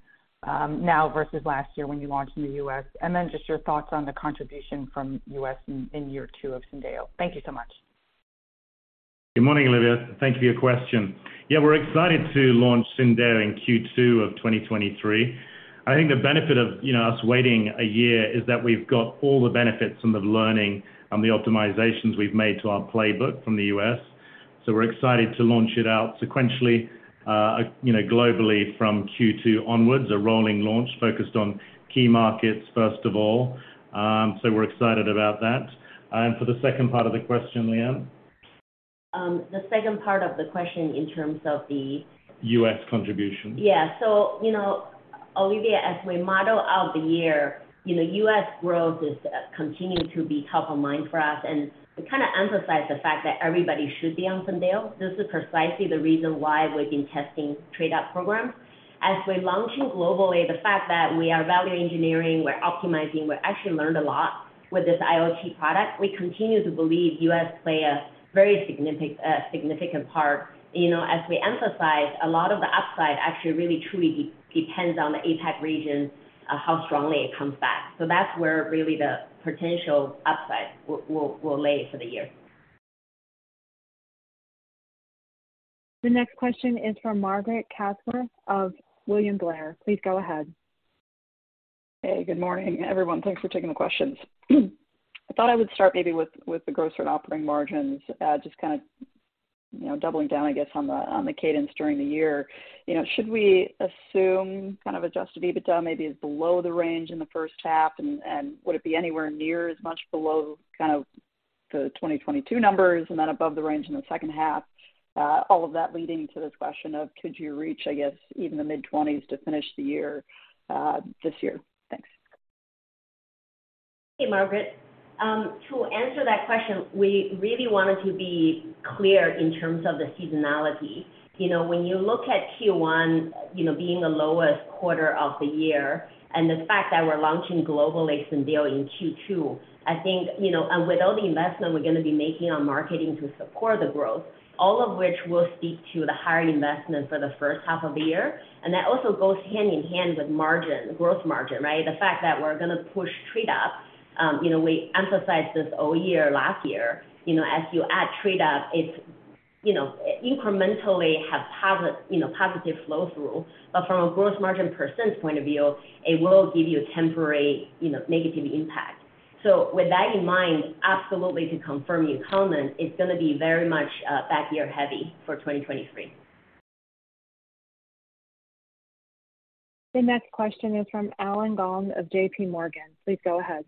now versus last year when you launched in the US. Just your thoughts on the contribution from US in year two of Syndeo. Thank you so much. Good morning, Olivia. Thank you for your question. We're excited to launch Syndeo in Q2 of 2023. I think the benefit of, you know, us waiting a year is that we've got all the benefits from the learning and the optimizations we've made to our playbook from the U.S. We're excited to launch it out sequentially, you know, globally from Q2 onwards, a rolling launch focused on key markets, first of all. We're excited about that. For the second part of the question, Liyuan? The second part of the question in terms of the. U.S. contribution. Yeah. you know, Olivia, as we model out the year, you know, U.S. growth is continuing to be top of mind for us, and we kinda emphasize the fact that everybody should be on Syndeo. This is precisely the reason why we've been testing trade-up programs. As we're launching globally, the fact that we are value engineering, we're optimizing, we actually learned a lot with this IoT product. We continue to believe U.S. play a very significant part. You know, as we emphasize, a lot of the upside actually really truly depends on the APAC region, how strongly it comes back. that's where really the potential upside we'll lay for the year. The next question is from Margaret Kaczor of William Blair. Please go ahead. Hey, good morning, everyone. Thanks for taking the questions. I thought I would start maybe with the gross and operating margins, just kinda, you know, doubling down, I guess, on the cadence during the year. You know, should we assume kind of adjusted EBITDA maybe is below the range in the first half? would it be anywhere near as much below kind of the 2022 numbers and then above the range in the second half? all of that leading to this question of could you reach, I guess, even the mid-twenties to finish the year, this year? Thanks. Hey, Margaret. To answer that question, we really wanted to be clear in terms of the seasonality. You know, when you look at Q1, you know, being the lowest quarter of the year and the fact that we're launching globally Syndeo in Q2, I think. With all the investment we're gonna be making on marketing to support the growth, all of which will speak to the higher investment for the first half of the year. That also goes hand in hand with margin, growth margin, right? The fact that we're gonna push trade-up, you know, we emphasized this all year last year. You know, as you add trade-up, it's, you know, incrementally have positive flow through. From a growth margin % point of view, it will give you a temporary, you know, negative impact. With that in mind, absolutely to confirm your comment, it's gonna be very much back year heavy for 2023. The next question is from Allen Gong of J.P. Morgan. Please go ahead.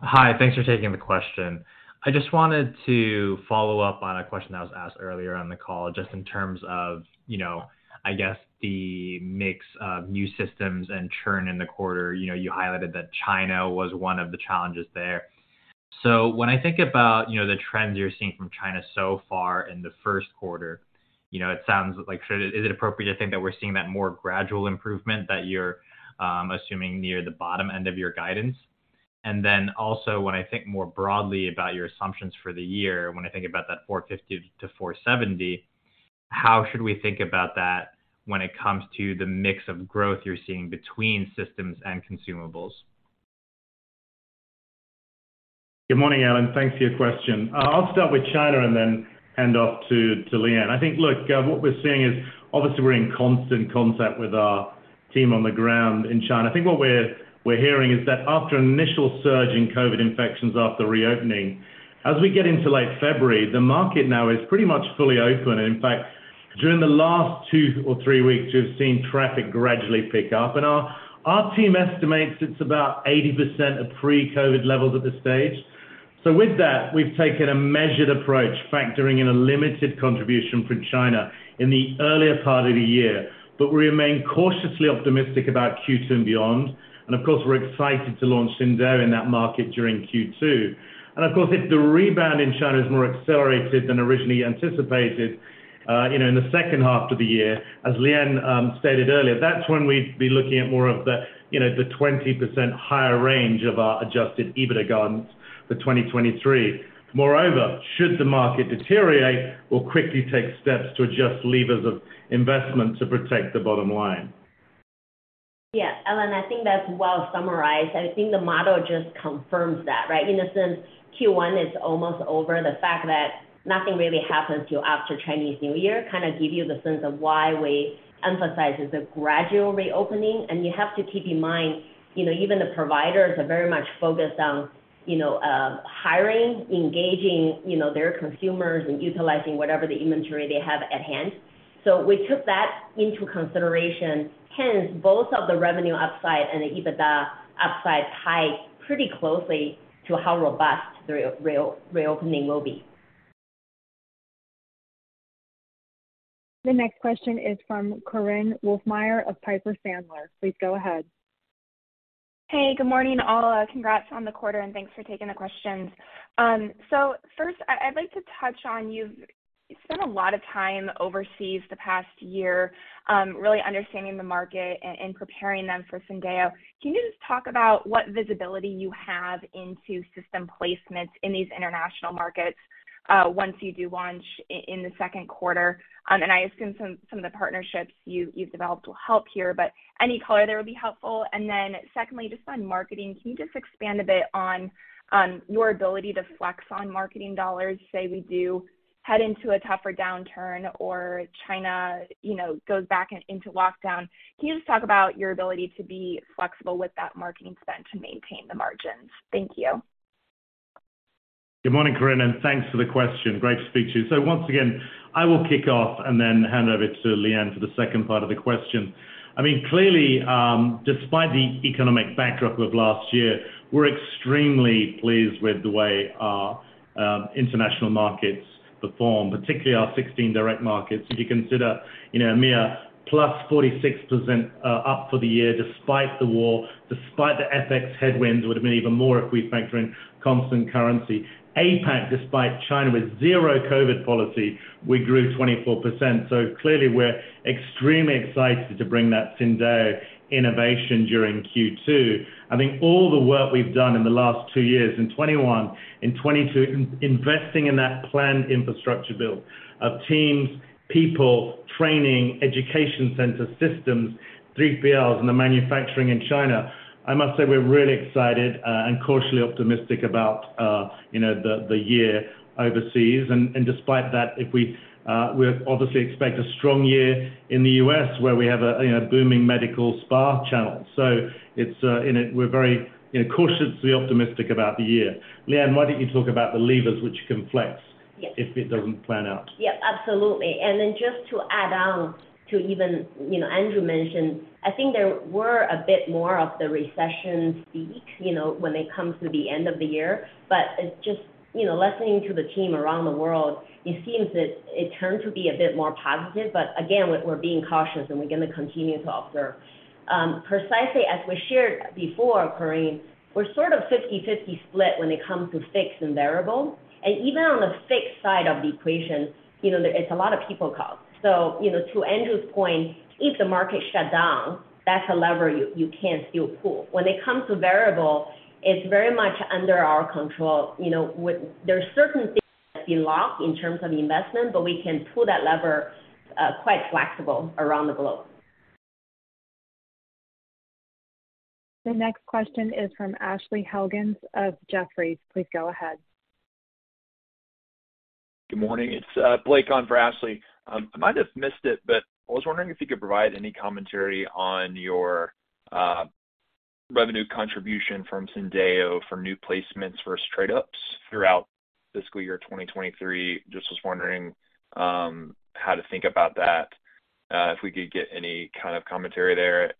Hi. Thanks for taking the question. I just wanted to follow up on a question that was asked earlier on the call, just in terms of, you know, I guess the mix of new systems and churn in the quarter. You know, you highlighted that China was one of the challenges there. When I think about, you know, the trends you're seeing from China so far in the first quarter, you know, Is it appropriate to think that we're seeing that more gradual improvement that you're assuming near the bottom end of your guidance? Then also when I think more broadly about your assumptions for the year, when I think about that $450 million-$470 million, how should we think about that when it comes to the mix of growth you're seeing between systems and consumables? Good morning, Allen. Thanks for your question. I'll start with China and then hand off to Liyuan. I think, look, what we're seeing is obviously we're in constant contact with our team on the ground in China. I think what we're hearing is that after an initial surge in COVID infections after reopening, as we get into late February, the market now is pretty much fully open. In fact, during the last two or three weeks, we've seen traffic gradually pick up. Our team estimates it's about 80% of pre-COVID levels at this stage. With that, we've taken a measured approach, factoring in a limited contribution from China in the earlier part of the year. We remain cautiously optimistic about Q2 and beyond, and of course, we're excited to launch Syndeo in that market during Q2. Of course, if the rebound in China is more accelerated than originally anticipated, you know, in the second half of the year, as Liyuan stated earlier, that's when we'd be looking at more of the, you know, the 20% higher range of our adjusted EBITDA guidance for 2023. Moreover, should the market deteriorate, we'll quickly take steps to adjust levers of investment to protect the bottom line. Yeah, Allen, I think that's well summarized. I think the model just confirms that, right? In a sense, Q1 is almost over. The fact that nothing really happens till after Chinese New Year kind of give you the sense of why we emphasize it's a gradual reopening. You have to keep in mind, you know, even the providers are very much focused on, you know, hiring, engaging, you know, their consumers and utilizing whatever the inventory they have at hand. We took that into consideration. Hence, both of the revenue upside and the EBITDA upside tied pretty closely to how robust the reopening will be. The next question is from Korinne Wolfmeyer of Piper Sandler. Please go ahead. Hey, good morning, all. Congrats on the quarter, and thanks for taking the questions. First, I'd like to touch on, you've spent a lot of time overseas the past year, really understanding the market and preparing them for Syndeo. Can you just talk about what visibility you have into system placements in these international markets, once you do launch in the second quarter? I assume some of the partnerships you've developed will help here, but any color there would be helpful. Secondly, just on marketing, can you just expand a bit on your ability to flex on marketing dollars, say we do head into a tougher downturn or China, you know, goes back into lockdown? Can you just talk about your ability to be flexible with that marketing spend to maintain the margins? Thank you. Good morning, Korinne, and thanks for the question. Great to speak to you. Once again, I will kick off and then hand over to Liyuan for the second part of the question. Clearly, despite the economic backdrop of last year, we're extremely pleased with the way our international markets perform, particularly our 16 direct markets. If you consider, you know, a mere +46% up for the year despite the war, despite the FX headwinds, would have been even more if we factor in constant currency. APAC, despite China, with zero COVID policy, we grew 24%. Clearly we're extremely excited to bring that Syndeo innovation during Q2. I think all the work we've done in the last two years, in 2021, in 2022, investing in that planned infrastructure build of teams, people, training, education centers, systems, 3PLs, and the manufacturing in China. I must say we're really excited and cautiously optimistic about, you know, the year overseas. Despite that, we obviously expect a strong year in the U.S., where we have a, you know, booming medical spa channel. It's, we're very, you know, cautiously optimistic about the year. Liyuan, why don't you talk about the levers which can flex- Yes. if it doesn't pan out. Yeah, absolutely. Just to add on to even, you know, Andrew mentioned, I think there were a bit more of the recession speak, you know, when it comes to the end of the year. It just, you know, listening to the team around the world, it seems that it turned to be a bit more positive. Again, we're being cautious, and we're gonna continue to observe. Precisely as we shared before, Korinne, we're sort of 50/50 split when it comes to fixed and variable. Even on the fixed side of the equation, you know, it's a lot of people costs. You know, to Andrew's point, if the market shut down, that's a lever you can still pull. When it comes to variable, it's very much under our control. You know, there are certain things that we lock in terms of investment, but we can pull that lever, quite flexible around the globe. The next question is from Ashley Helgans of Jefferies. Please go ahead. Good morning. It's Blake on for Ashley. I might have missed it, but I was wondering if you could provide any commentary on your revenue contribution from Syndeo for new placements versus trade ups throughout fiscal year 2023. Just was wondering how to think about that, if we could get any kind of commentary there.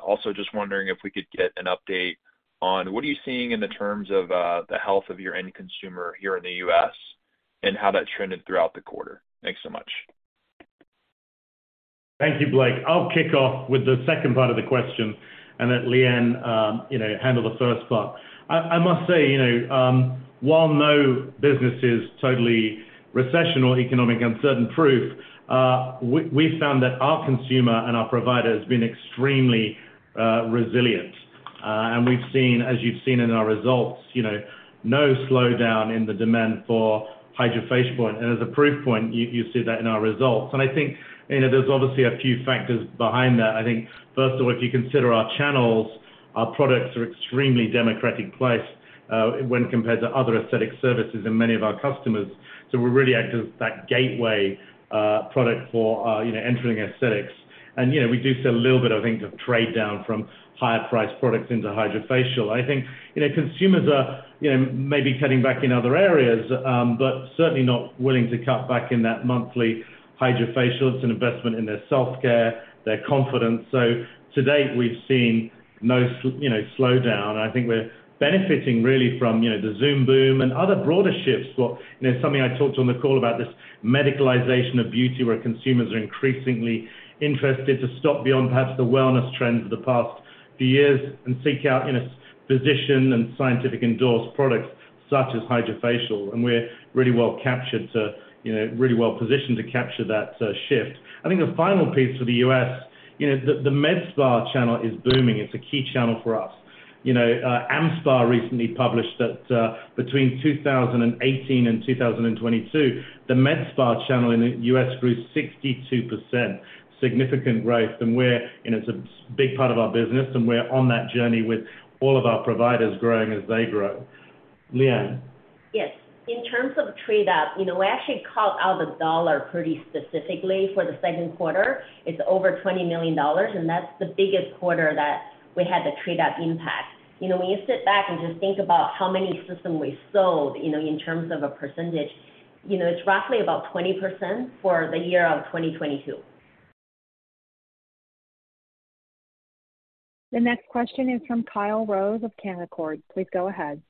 Also just wondering if we could get an update on what are you seeing in the terms of the health of your end consumer here in the U.S. and how that trended throughout the quarter. Thanks so much. Thank you, Blake. I'll kick off with the second part of the question and let Liyuan, you know, handle the first part. I must say, you know, while no business is totally recession or economic uncertain-proof, we found that our consumer and our provider has been extremely resilient. We've seen, as you've seen in our results, you know, no slowdown in the demand for HydraFacial point. As a proof point, you see that in our results. I think, you know, there's obviously a few factors behind that. I think first of all, if you consider our channels. Our products are extremely democratic placed when compared to other aesthetic services and many of our customers. We really act as that gateway product for, you know, entering aesthetics. You know, we do see a little bit of trade-down from higher priced products into HydraFacial. I think, you know, consumers are, you know, maybe cutting back in other areas, but certainly not willing to cut back in that monthly HydraFacial. It's an investment in their self-care, their confidence. To date, we've seen no slowdown. I think we're benefiting really from, you know, the Zoom boom and other broader shifts. You know, something I talked on the call about this medicalization of beauty, where consumers are increasingly interested to stop beyond perhaps the wellness trends of the past few years and seek out, you know, physician and scientific endorsed products such as HydraFacial. We're really well captured to, you know, really well positioned to capture that shift. I think the final piece for the U.S., you know, the med spa channel is booming. It's a key channel for us. You know, AmSpa recently published that between 2018 and 2022, the med spa channel in the U.S. grew 62%. Significant growth, and it's a big part of our business, and we're on that journey with all of our providers growing as they grow. Liyuan? Yes. In terms of trade-up, you know, we actually called out the dollar pretty specifically for the second quarter. It's over $20 million, and that's the biggest quarter that we had the trade-up impact. You know, when you sit back and just think about how many system we sold, you know, in terms of a percentage, you know, it's roughly about 20% for the year of 2022. The next question is from Kyle Rose of Canaccord. Please go ahead.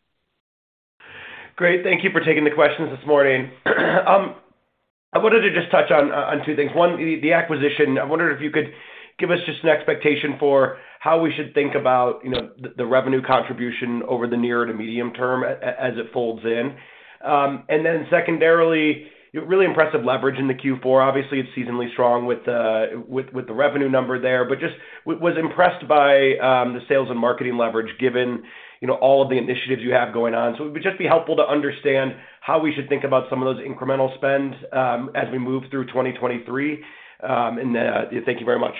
Great. Thank you for taking the questions this morning. I wanted to just touch on two things. One, the acquisition. I wondered if you could give us just an expectation for how we should think about, you know, the revenue contribution over the near to medium term as it folds in. Secondarily, really impressive leverage in the Q4. Obviously, it's seasonally strong with the revenue number there. Just was impressed by the sales and marketing leverage given, you know, all of the initiatives you have going on. It would just be helpful to understand how we should think about some of those incremental spends as we move through 2023. Thank you very much.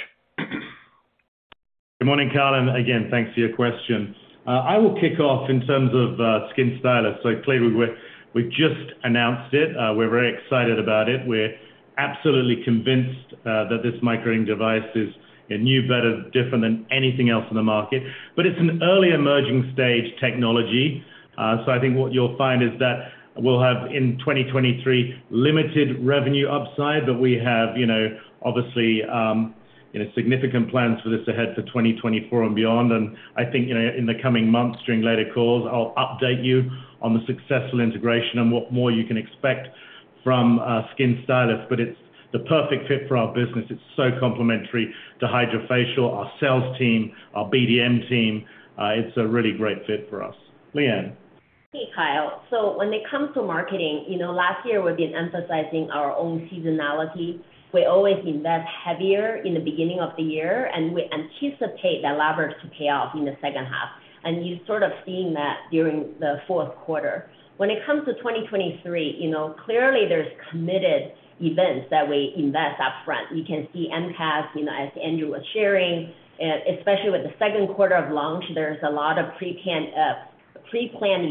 Good morning, Kyle, and again, thanks for your question. I will kick off in terms of SkinStylus. Clearly, we're, we just announced it. We're very excited about it. We're absolutely convinced that this microneedling device is new, better, different than anything else in the market. It's an early emerging stage technology. I think what you'll find is that we'll have in 2023 limited revenue upside, but we have, you know, obviously, you know, significant plans for this ahead for 2024 and beyond. I think, you know, in the coming months during later calls, I'll update you on the successful integration and what more you can expect from SkinStylus. It's the perfect fit for our business. It's so complementary to HydraFacial, our sales team, our BDM team. It's a really great fit for us. Liyuan? Hey, Kyle. When it comes to marketing, you know, last year, we've been emphasizing our own seasonality. We always invest heavier in the beginning of the year, and we anticipate that leverage to pay off in the second half. You're sort of seeing that during the fourth quarter. When it comes to 2023, you know, clearly there's committed events that we invest upfront. You can see IMCAS, you know, as Andrew was sharing, especially with the second quarter of launch, there's a lot of pre-planned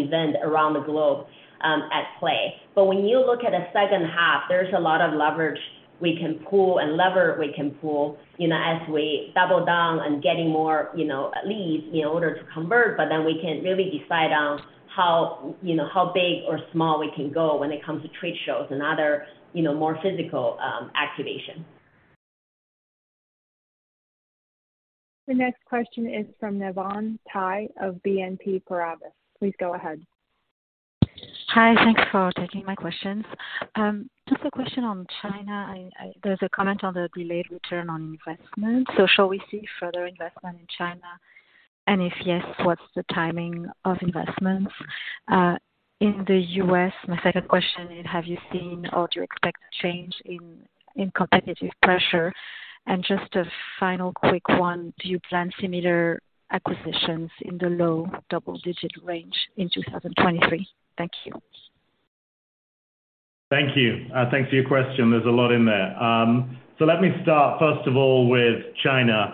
event around the globe at play. When you look at the second half, there's a lot of leverage we can pull and lever we can pull, you know, as we double down on getting more, you know, leads in order to convert. We can really decide on how, you know, how big or small we can go when it comes to trade shows and other, you know, more physical activation. The next question is from Navann Ty of BNP Paribas. Please go ahead. Hi. Thanks for taking my questions. Just a question on China. There's a comment on the delayed return on investment. Shall we see further investment in China? If yes, what's the timing of investments? In the U.S., my second question is, have you seen or do you expect a change in competitive pressure? Just a final quick one, do you plan similar acquisitions in the low double-digit range in 2023? Thank you. Thank you. Thanks for your question. There's a lot in there. Let me start, first of all, with China.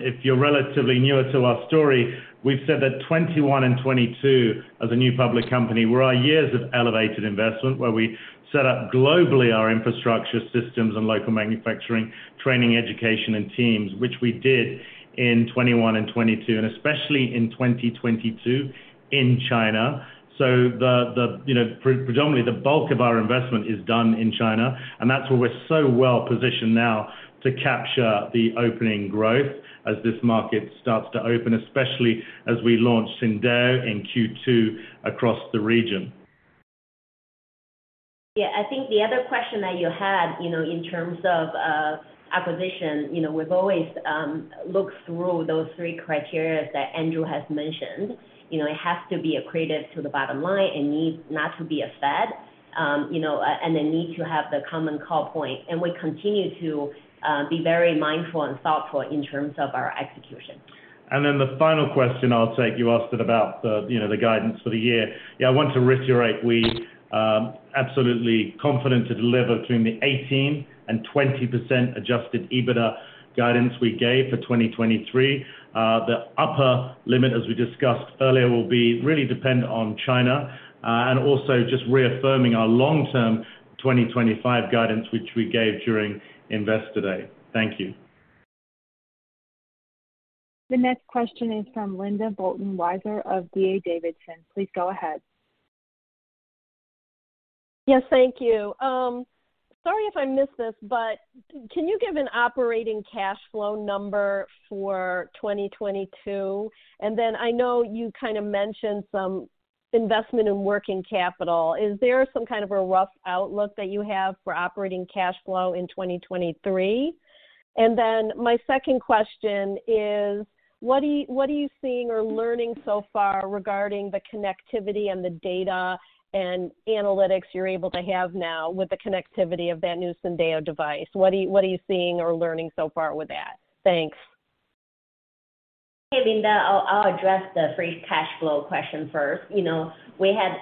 If you're relatively newer to our story, we've said that 2021 and 2022 as a new public company were our years of elevated investment, where we set up globally our infrastructure systems and local manufacturing, training, education, and teams, which we did in 2021 and 2022, and especially in 2022 in China. The, you know, pre-predominantly, the bulk of our investment is done in China, and that's where we're so well positioned now to capture the opening growth as this market starts to open, especially as we launch Syndeo in Q2 across the region. Yeah. I think the other question that you had, you know, in terms of acquisition, you know, we've always looked through those three criterias that Andrew has mentioned. You know, it has to be accretive to the bottom line. It needs not to be a fad. You know, the need to have the common call point, and we continue to be very mindful and thoughtful in terms of our execution. The final question I'll take, you asked it about the, you know, the guidance for the year. I want to reiterate, we are absolutely confident to deliver between the 18% and 20% adjusted EBITDA guidance we gave for 2023. The upper limit, as we discussed earlier, will be really dependent on China, and also just reaffirming our long-term 2025 guidance, which we gave during Investor Day. Thank you. The next question is from Linda Bolton Weiser of D.A. Davidson. Please go ahead. Yes, thank you. Sorry if I missed this, but can you give an operating cash flow number for 2022? I know you kind of mentioned some investment in working capital. Is there some kind of a rough outlook that you have for operating cash flow in 2023? My second question is what are you seeing or learning so far regarding the connectivity and the data and analytics you're able to have now with the connectivity of that new Syndeo device? What are you seeing or learning so far with that? Thanks. Linda, I'll address the free cash flow question first. You know, we had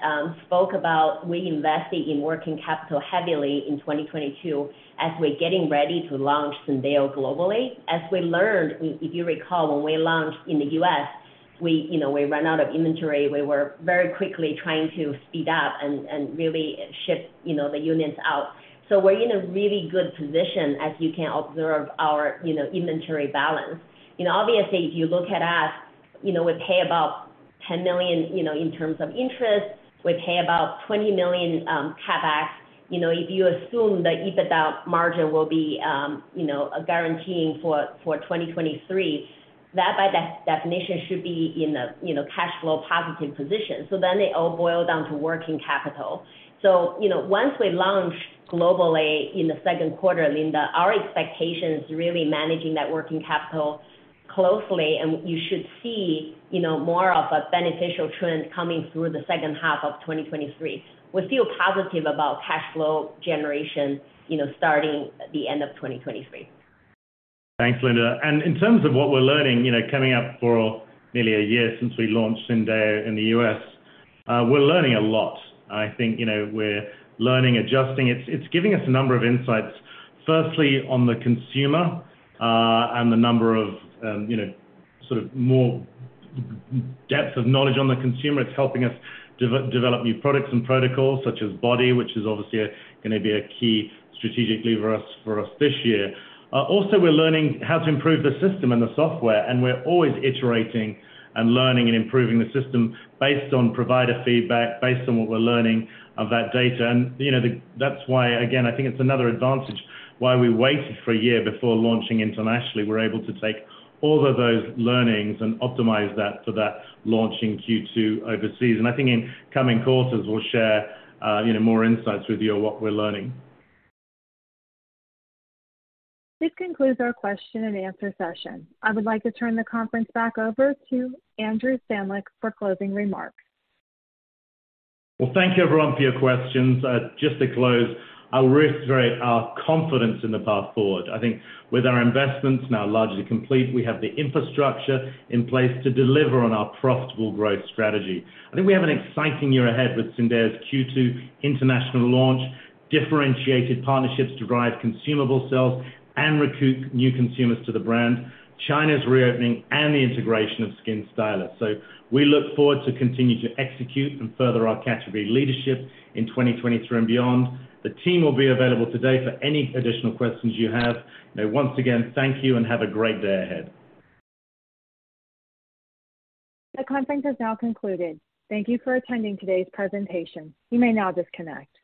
spoke about we investing in working capital heavily in 2022 as we're getting ready to launch Syndeo globally. As we learned, if you recall, when we launched in the U.S., we, you know, we ran out of inventory. We were very quickly trying to speed up and really ship, you know, the units out. We're in a really good position as you can observe our, you know, inventory balance. Obviously, if you look at us, you know, we pay about $10 million, you know, in terms of interest. We pay about $20 million CapEx. If you assume the EBITDA margin will be, you know, guaranteeing for 2023, that by de-definition should be in a, you know, cash flow positive position. They all boil down to working capital. You know, once we launch globally in the second quarter, Linda, our expectation is really managing that working capital closely, and you should see, you know, more of a beneficial trend coming through the second half of 2023. We feel positive about cash flow generation, you know, starting at the end of 2023. Thanks, Linda. In terms of what we're learning, you know, coming up for nearly a year since we launched Syndeo in the U.S., we're learning a lot. I think, you know, we're learning, adjusting. It's giving us a number of insights, firstly, on the consumer, and the number of, you know, sort of more depth of knowledge on the consumer. It's helping us develop new products and protocols such as Body, which is obviously gonna be a key strategically for us this year. Also, we're learning how to improve the system and the software. We're always iterating and learning and improving the system based on provider feedback, based on what we're learning of that data. You know, that's why, again, I think it's another advantage why we waited for a year before launching internationally. We're able to take all of those learnings and optimize that for that launch in Q2 overseas. I think in coming quarters, we'll share, you know, more insights with you on what we're learning. This concludes our question-and-answer session. I would like to turn the conference back over to Andrew Stanleick for closing remarks. Well, thank you everyone for your questions. Just to close, I'll reiterate our confidence in the path forward. I think with our investments now largely complete, we have the infrastructure in place to deliver on our profitable growth strategy. I think we have an exciting year ahead with Syndeo's Q2 international launch, differentiated partnerships to drive consumable sales, and recruit new consumers to the brand, China's reopening, and the integration of SkinStylus. We look forward to continue to execute and further our category leadership in 2023 and beyond. The team will be available today for any additional questions you have. You know, once again, thank you and have a great day ahead. The conference has now concluded. Thank you for attending today's presentation. You may now disconnect.